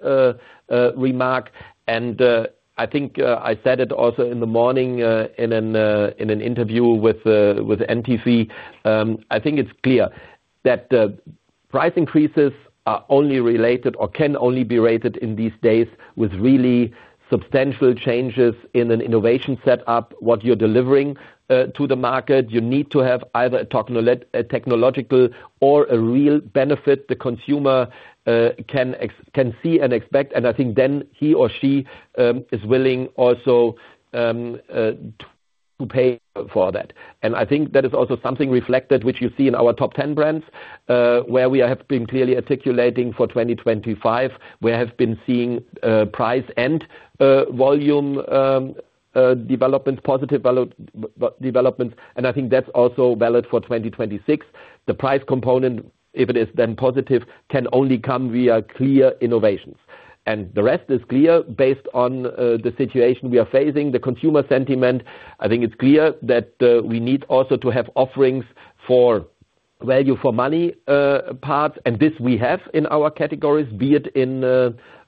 remark. I think I said it also in the morning, in an interview with CNBC. I think it's clear that price increases are only related or can only be rated in these days with really substantial changes in an innovation set up, what you're delivering to the market. You need to have either a technological or a real benefit the consumer can see and expect, and I think then he or she is willing also to pay for that. I think that is also something reflected, which you see in our top ten brands, where we have been clearly articulating for 2025, we have been seeing price and volume developments, positive developments, and I think that's also valid for 2026. The price component, if it is then positive, can only come via clear innovations. The rest is clear based on the situation we are facing, the consumer sentiment. I think it's clear that we need also to have offerings for value for money part, and this we have in our categories, be it in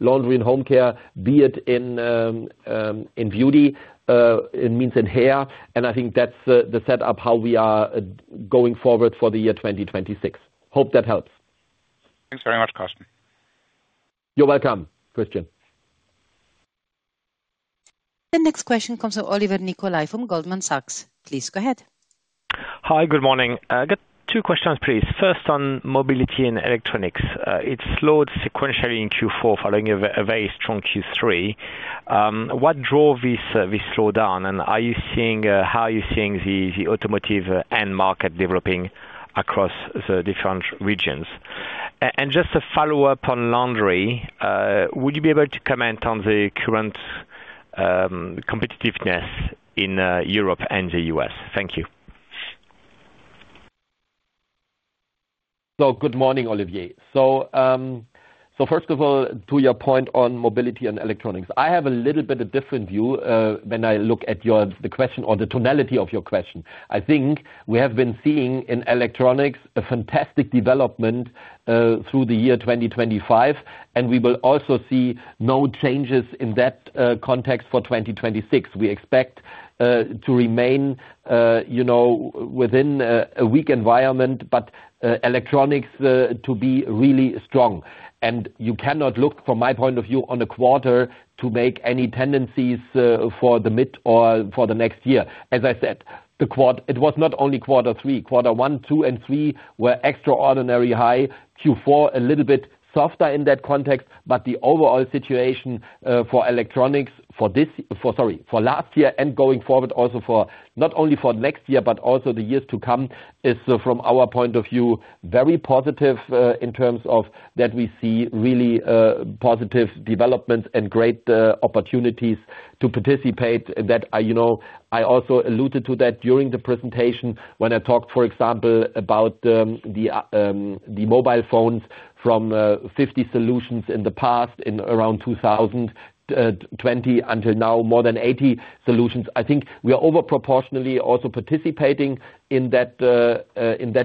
Laundry and Home Care, be it in beauty, it means in hair. I think that's the setup, how we are going forward for the year 2026. Hope that helps. Thanks very much, Carsten. You're welcome, Christian. The next question comes from Olivier Nicolai from Goldman Sachs. Please go ahead. Hi, good morning. I got two questions, please. First, on Mobility and Electronics. It slowed sequentially in Q4 following a very strong Q3. What drove this slowdown, and how are you seeing the automotive end market developing across the different regions? Just a follow-up on laundry, would you be able to comment on the current competitiveness in Europe and the U.S.? Thank you. Good morning, Olivier. First of all, to your point on mobility and electronics. I have a little bit a different view when I look at your, the question or the tonality of your question. I think we have been seeing in electronics a fantastic development through the year 2025, and we will also see no changes in that context for 2026. We expect to remain, you know, within a weak environment, but electronics to be really strong. You cannot look, from my point of view, on a quarter to make any tendencies for the mid or for the next year. As I said, it was not only quarter three, quarter one, two, and three were extraordinary high. A little bit softer in that context, but the overall situation for electronics for last year and going forward also not only for next year but also the years to come is from our point of view very positive in terms of that we see really positive developments and great opportunities to participate that, you know, I also alluded to that during the presentation when I talked, for example, about the mobile phones from 50 solutions in the past in around 2020 until now, more than 80 solutions. I think we are over proportionally also participating in that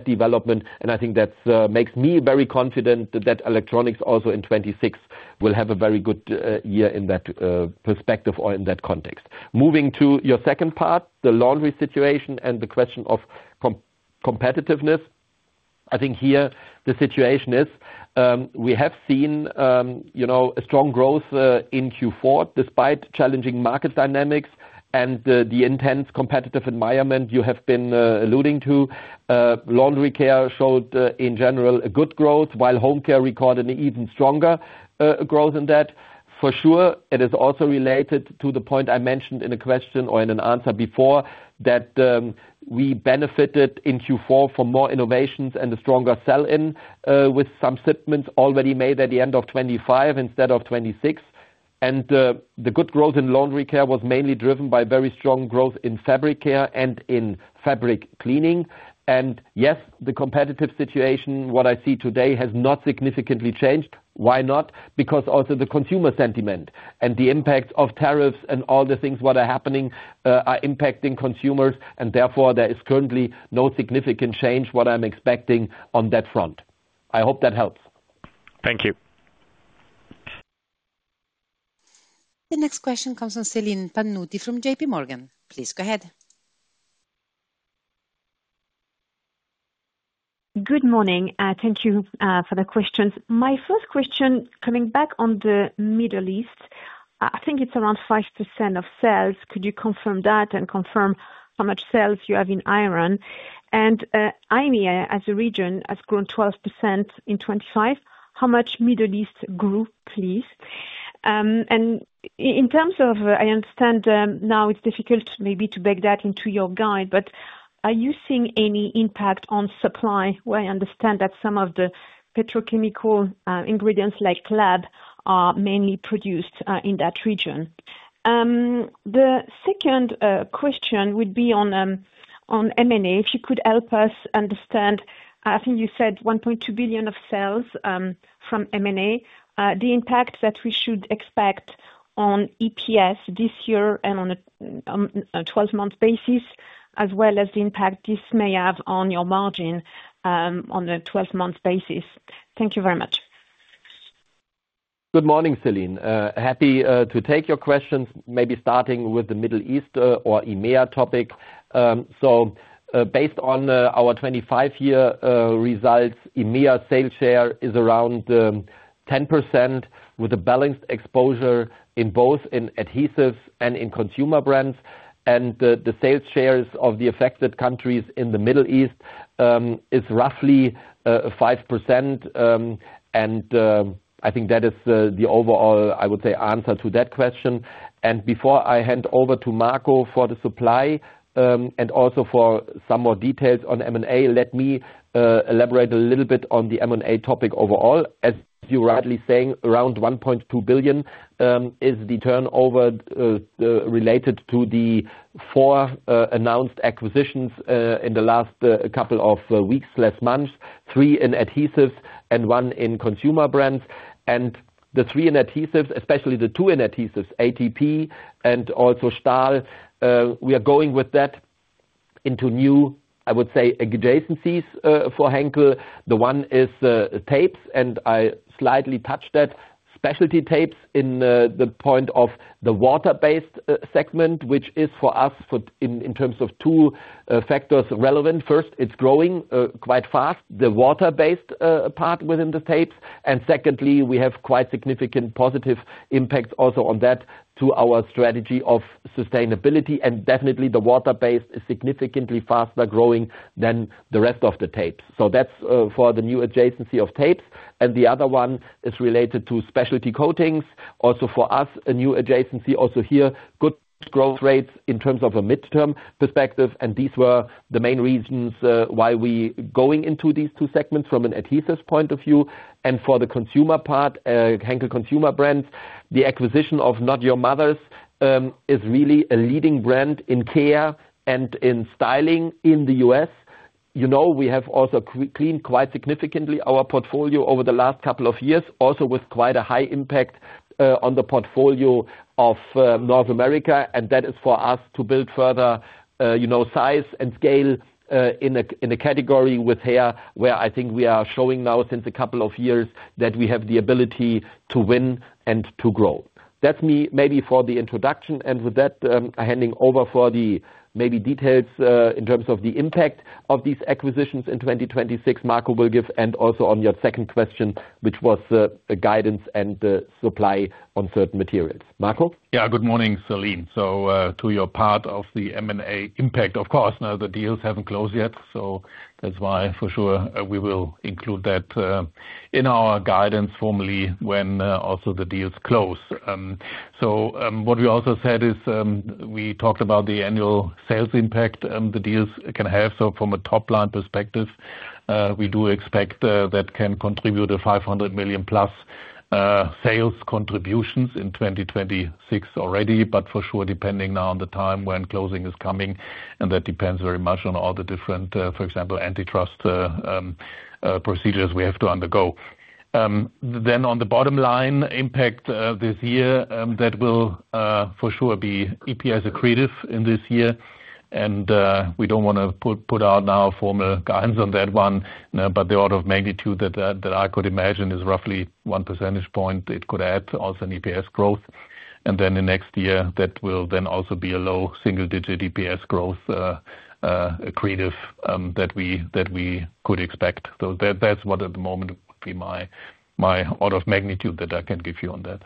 development, and I think that makes me very confident that electronics also in 2026 will have a very good year in that perspective or in that context. Moving to your second part, the laundry situation and the question of competitiveness. I think here the situation is, we have seen, you know, a strong growth in Q4 despite challenging market dynamics and the intense competitive environment you have been alluding to. Laundry care showed in general a good growth, while home care recorded an even stronger growth in that. For sure, it is also related to the point I mentioned in a question or in an answer before, that we benefited in Q4 for more innovations and a stronger sell-in with some shipments already made at the end of 2025 instead of 2026. The good growth in laundry care was mainly driven by very strong growth in fabric care and in fabric cleaning. Yes, the competitive situation, what I see today, has not significantly changed. Why not? Because also the consumer sentiment and the impact of tariffs and all the things what are happening are impacting consumers, and therefore there is currently no significant change what I'm expecting on that front. I hope that helps. Thank you. The next question comes from Celine Pannuti from JP Morgan. Please go ahead. Good morning. Thank you for the questions. My first question, coming back on the Middle East, I think it's around 5% of sales. Could you confirm that and confirm how much sales you have in Iran? EMEA as a region has grown 12% in 2025. How much Middle East grew, please? In terms of, I understand, now it's difficult maybe to bake that into your guide, but are you seeing any impact on supply, where I understand that some of the petrochemical ingredients like LAB are mainly produced in that region? The second question would be on M&A. If you could help us understand, I think you said 1.2 billion of sales from M&A, the impact that we should expect on EPS this year and on a twelve-month basis, as well as the impact this may have on your margin, on a twelve-month basis. Thank you very much. Good morning, Celine. Happy to take your questions, maybe starting with the Middle East or EMEA topic. Based on our 25-year results, EMEA sales share is around 10% with a balanced exposure in both adhesives and consumer brands. The sales shares of the affected countries in the Middle East is roughly 5%. I think that is the overall, I would say, answer to that question. Before I hand over to Marco for the supply and also for some more details on M&A, let me elaborate a little bit on the M&A topic overall. As you're rightly saying, around 1.2 billion is the turnover related to the four announced acquisitions in the last couple of weeks, last month, three in adhesives and one in consumer brands. The three in adhesives, especially the two in adhesives, ATP and also Stahl, we are going with that into new, I would say, adjacencies for Henkel. The one is tapes, and I slightly touched that. Specialty tapes in the point of the water-based segment, which is for us in terms of two factors relevant. First, it's growing quite fast, the water-based part within the tapes. Secondly, we have quite significant positive impact also on that to our strategy of sustainability. Definitely the water-based is significantly faster-growing than the rest of the tapes. That's for the new adjacency of tapes. The other one is related to specialty coatings. For us, a new adjacency, also here, good growth rates in terms of a midterm perspective. These were the main reasons why we going into these two segments from an adhesives point of view. For the consumer part, Henkel Consumer Brands, the acquisition of Not Your Mother's is really a leading brand in care and in styling in the US. You know, we have also cleaned quite significantly our portfolio over the last couple of years, also with quite a high impact on the portfolio of North America, and that is for us to build further, you know, size and scale in a category with hair, where I think we are showing now since a couple of years that we have the ability to win and to grow. That's me maybe for the introduction, and with that, handing over for the maybe details in terms of the impact of these acquisitions in 2026, Marco will give, and also on your second question, which was the guidance and the supply on certain materials. Marco? Yeah. Good morning, Celine. To your part of the M&A impact, of course, none of the deals haven't closed yet, that's why for sure we will include that in our guidance formally when also the deals close. What we also said is we talked about the annual sales impact the deals can have. From a top-line perspective, we do expect that can contribute 500 million+ sales contributions in 2026 already, but for sure, depending now on the time when closing is coming, and that depends very much on all the different, for example, antitrust procedures we have to undergo. Then on the bottom line impact this year, that will for sure be EPS accretive in this year. We don't wanna put out now formal guidance on that one, but the order of magnitude that I could imagine is roughly one percentage point it could add to also an EPS growth. Then the next year, that will then also be a low single-digit EPS growth, accretive, that we could expect. That's what at the moment would be my order of magnitude that I can give you on that.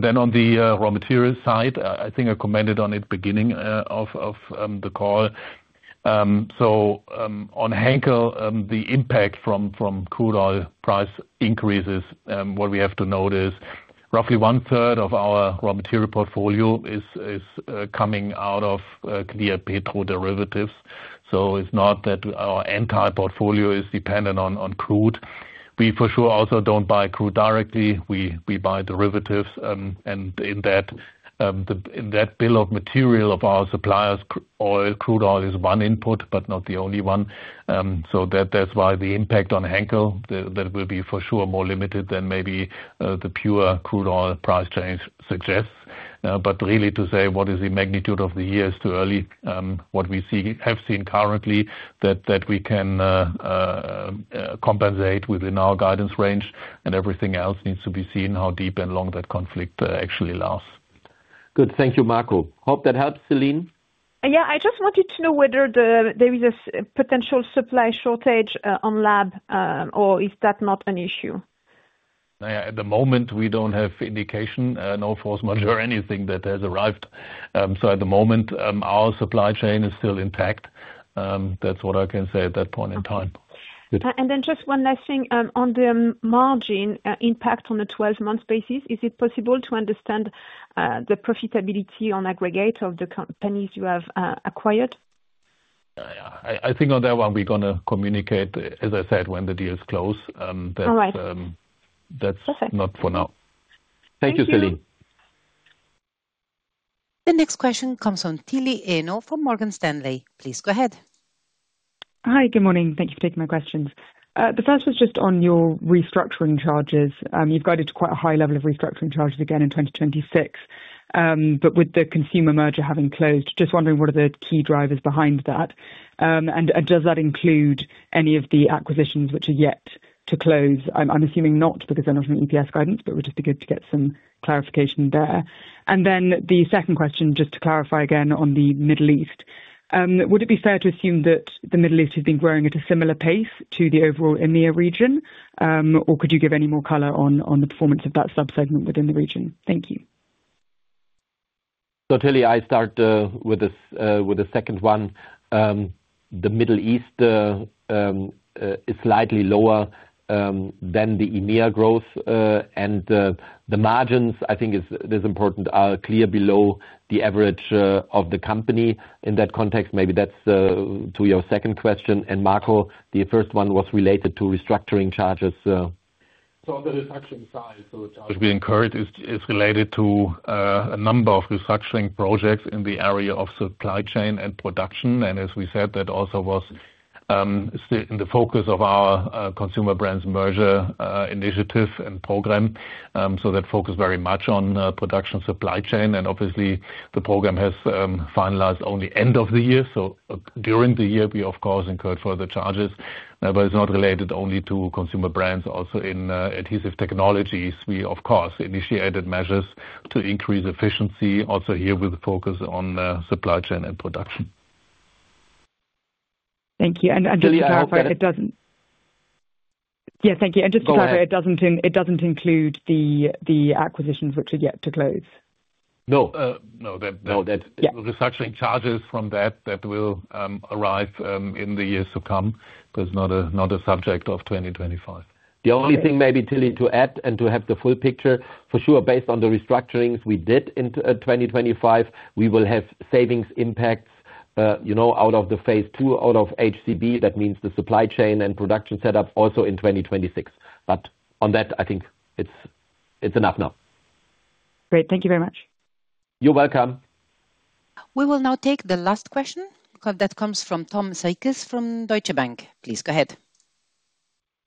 Then on the raw material side, I think I commented on it beginning of the call. On Henkel, the impact from crude oil price increases, what we have to note is roughly one-third of our raw material portfolio is coming out of crude petrochemical derivatives. It's not that our entire portfolio is dependent on crude. We for sure also don't buy crude directly. We buy derivatives, and in that bill of material of our suppliers, oil, crude oil is one input, but not the only one. That's why the impact on Henkel that will be for sure more limited than maybe the pure crude oil price change suggests. But really to say what is the magnitude of the year is too early. What we have seen currently that we can compensate within our guidance range and everything else needs to be seen how deep and long that conflict actually lasts. Good. Thank you, Marco. Hope that helps. Celine? Yeah. I just wanted to know whether there is a potential supply shortage on LAB, or is that not an issue? Yeah. At the moment, we don't have indication, no force majeure or anything that has arrived. At the moment, our supply chain is still intact. That's what I can say at that point in time. Okay. Good. Just one last thing on the margin impact on the 12-month basis. Is it possible to understand the profitability on aggregate of the companies you have acquired? Yeah. I think on that one we're gonna communicate, as I said, when the deals close. All right.... but, um, that's- Perfect Not for now. Thank you, Celine. Thank you. The next question comes from Tilly Sheridan from Morgan Stanley. Please go ahead. Hi. Good morning. Thank you for taking my questions. The first was just on your restructuring charges. You've guided to quite a high level of restructuring charges again in 2026. But with the consumer merger having closed, just wondering what are the key drivers behind that? And does that include any of the acquisitions which are yet to close? I'm assuming not, because they're not in the EPS guidance, but it would just be good to get some clarification there. The second question, just to clarify again on the Middle East, would it be fair to assume that the Middle East has been growing at a similar pace to the overall EMEA region? Or could you give any more color on the performance of that sub-segment within the region? Thank you. Tilly, I start with the second one. The Middle East is slightly lower than the EMEA growth. The margins, I think, that's important, are clearly below the average of the company in that context. Maybe that's to your second question. Marco, the first one was related to restructuring charges. On the restructuring side, the charge we incurred is related to a number of restructuring projects in the area of supply chain and production. As we said, that also was the focus of our Consumer Brands merger initiative and program. That focused very much on production supply chain, and obviously the program has finalized only end of the year. During the year we of course incurred further charges. It's not related only to Consumer Brands. Also in Adhesive Technologies, we of course initiated measures to increase efficiency, also here with the focus on supply chain and production. Thank you. Just to clarify, it doesn't include the acquisitions which are yet to close. No. That No. That The restructuring charges from that will arrive in the years to come. That's not a subject of 2025. The only thing maybe, Tilly, to add and to have the full picture, for sure, based on the restructurings we did in 2025, we will have savings impacts, you know, out of the phase two, out of HCB. That means the supply chain and production setup also in 2026. On that, I think it's enough now. Great. Thank you very much. You're welcome. We will now take the last question. Call that comes from Tom Sykes from Deutsche Bank. Please go ahead.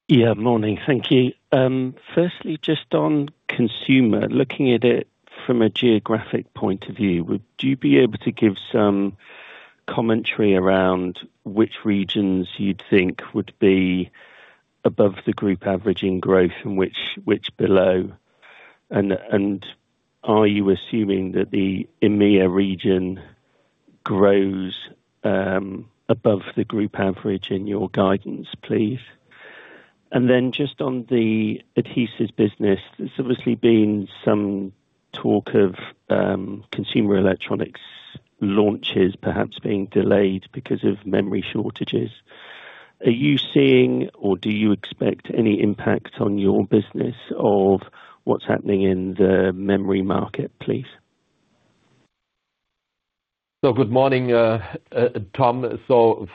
Yeah, morning. Thank you. Firstly, just on consumer, looking at it from a geographic point of view, would you be able to give some commentary around which regions you'd think would be above the group average in growth and which below? Are you assuming that the EMEA region grows above the group average in your guidance, please? Then just on the adhesives business, there's obviously been some talk of consumer electronics launches perhaps being delayed because of memory shortages. Are you seeing or do you expect any impact on your business of what's happening in the memory market, please? Good morning, Tom.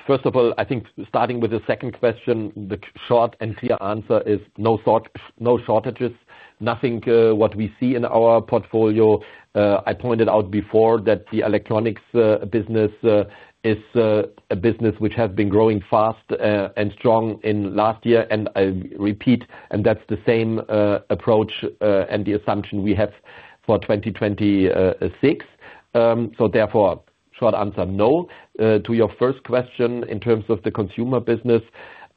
First of all, I think starting with the second question, the short and clear answer is no shortages. Nothing what we see in our portfolio. I pointed out before that the electronics business is a business which has been growing fast and strong in last year. I repeat, that's the same approach and the assumption we have for 2026. Therefore, short answer, no. To your first question, in terms of the consumer business,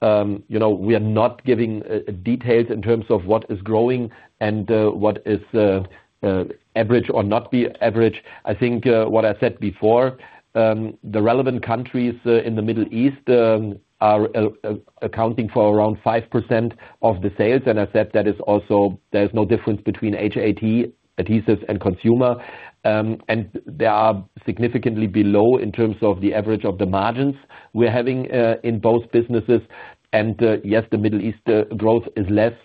you know, we are not giving details in terms of what is growing and what is average or below average. I think what I said before, the relevant countries in the Middle East are accounting for around 5% of the sales. I said that is also there's no difference between HAT adhesives and consumer. They are significantly below in terms of the average of the margins we're having in both businesses. Yes, the Middle East growth is less,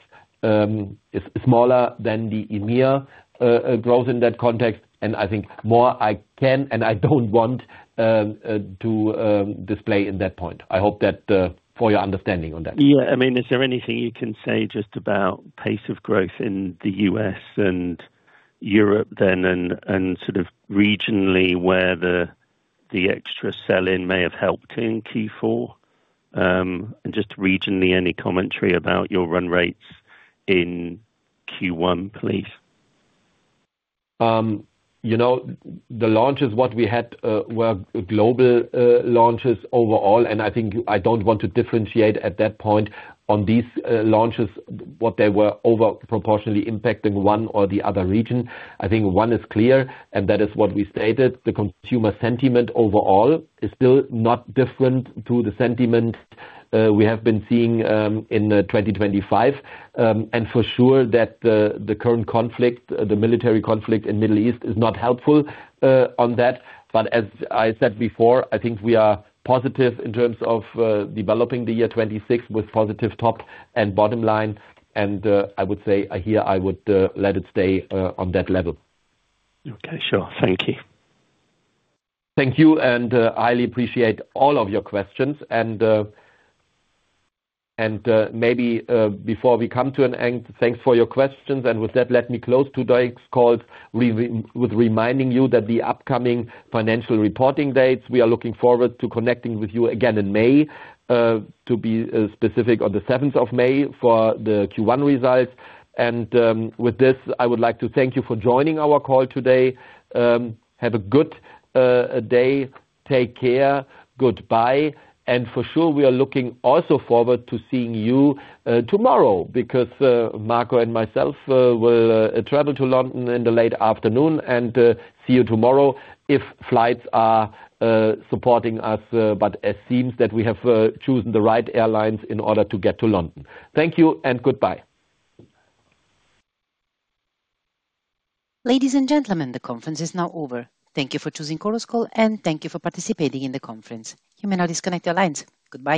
is smaller than the EMEA growth in that context. I think more I can and I don't want to display in that point. I hope that for your understanding on that. Yeah. I mean, is there anything you can say just about pace of growth in the U.S. and Europe then and sort of regionally where the extra sell-in may have helped in Q4? Just regionally, any commentary about your run rates in Q1, please? You know, the launches what we had were global launches overall, and I think I don't want to differentiate at that point on these launches, what they were over proportionally impacting one or the other region. I think one is clear, and that is what we stated. The consumer sentiment overall is still not different to the sentiment we have been seeing in 2025. For sure that the current conflict, the military conflict in Middle East is not helpful on that. As I said before, I think we are positive in terms of developing the year 2026 with positive top and bottom line. I would say here I would let it stay on that level. Okay, sure. Thank you. Thank you. I appreciate all of your questions. Maybe before we come to an end, thanks for your questions. With that, let me close today's call with reminding you that the upcoming financial reporting dates, we are looking forward to connecting with you again in May, to be specific, on the seventh of May for the Q1 results. With this, I would like to thank you for joining our call today. Have a good day. Take care. Goodbye. For sure, we are looking also forward to seeing you tomorrow because Marco and myself will travel to London in the late afternoon. See you tomorrow if flights are supporting us. It seems that we have chosen the right airlines in order to get to London. Thank you and goodbye. Ladies and gentlemen, the conference is now over. Thank you for choosing Chorus Call, and thank you for participating in the conference. You may now disconnect your lines. Goodbye.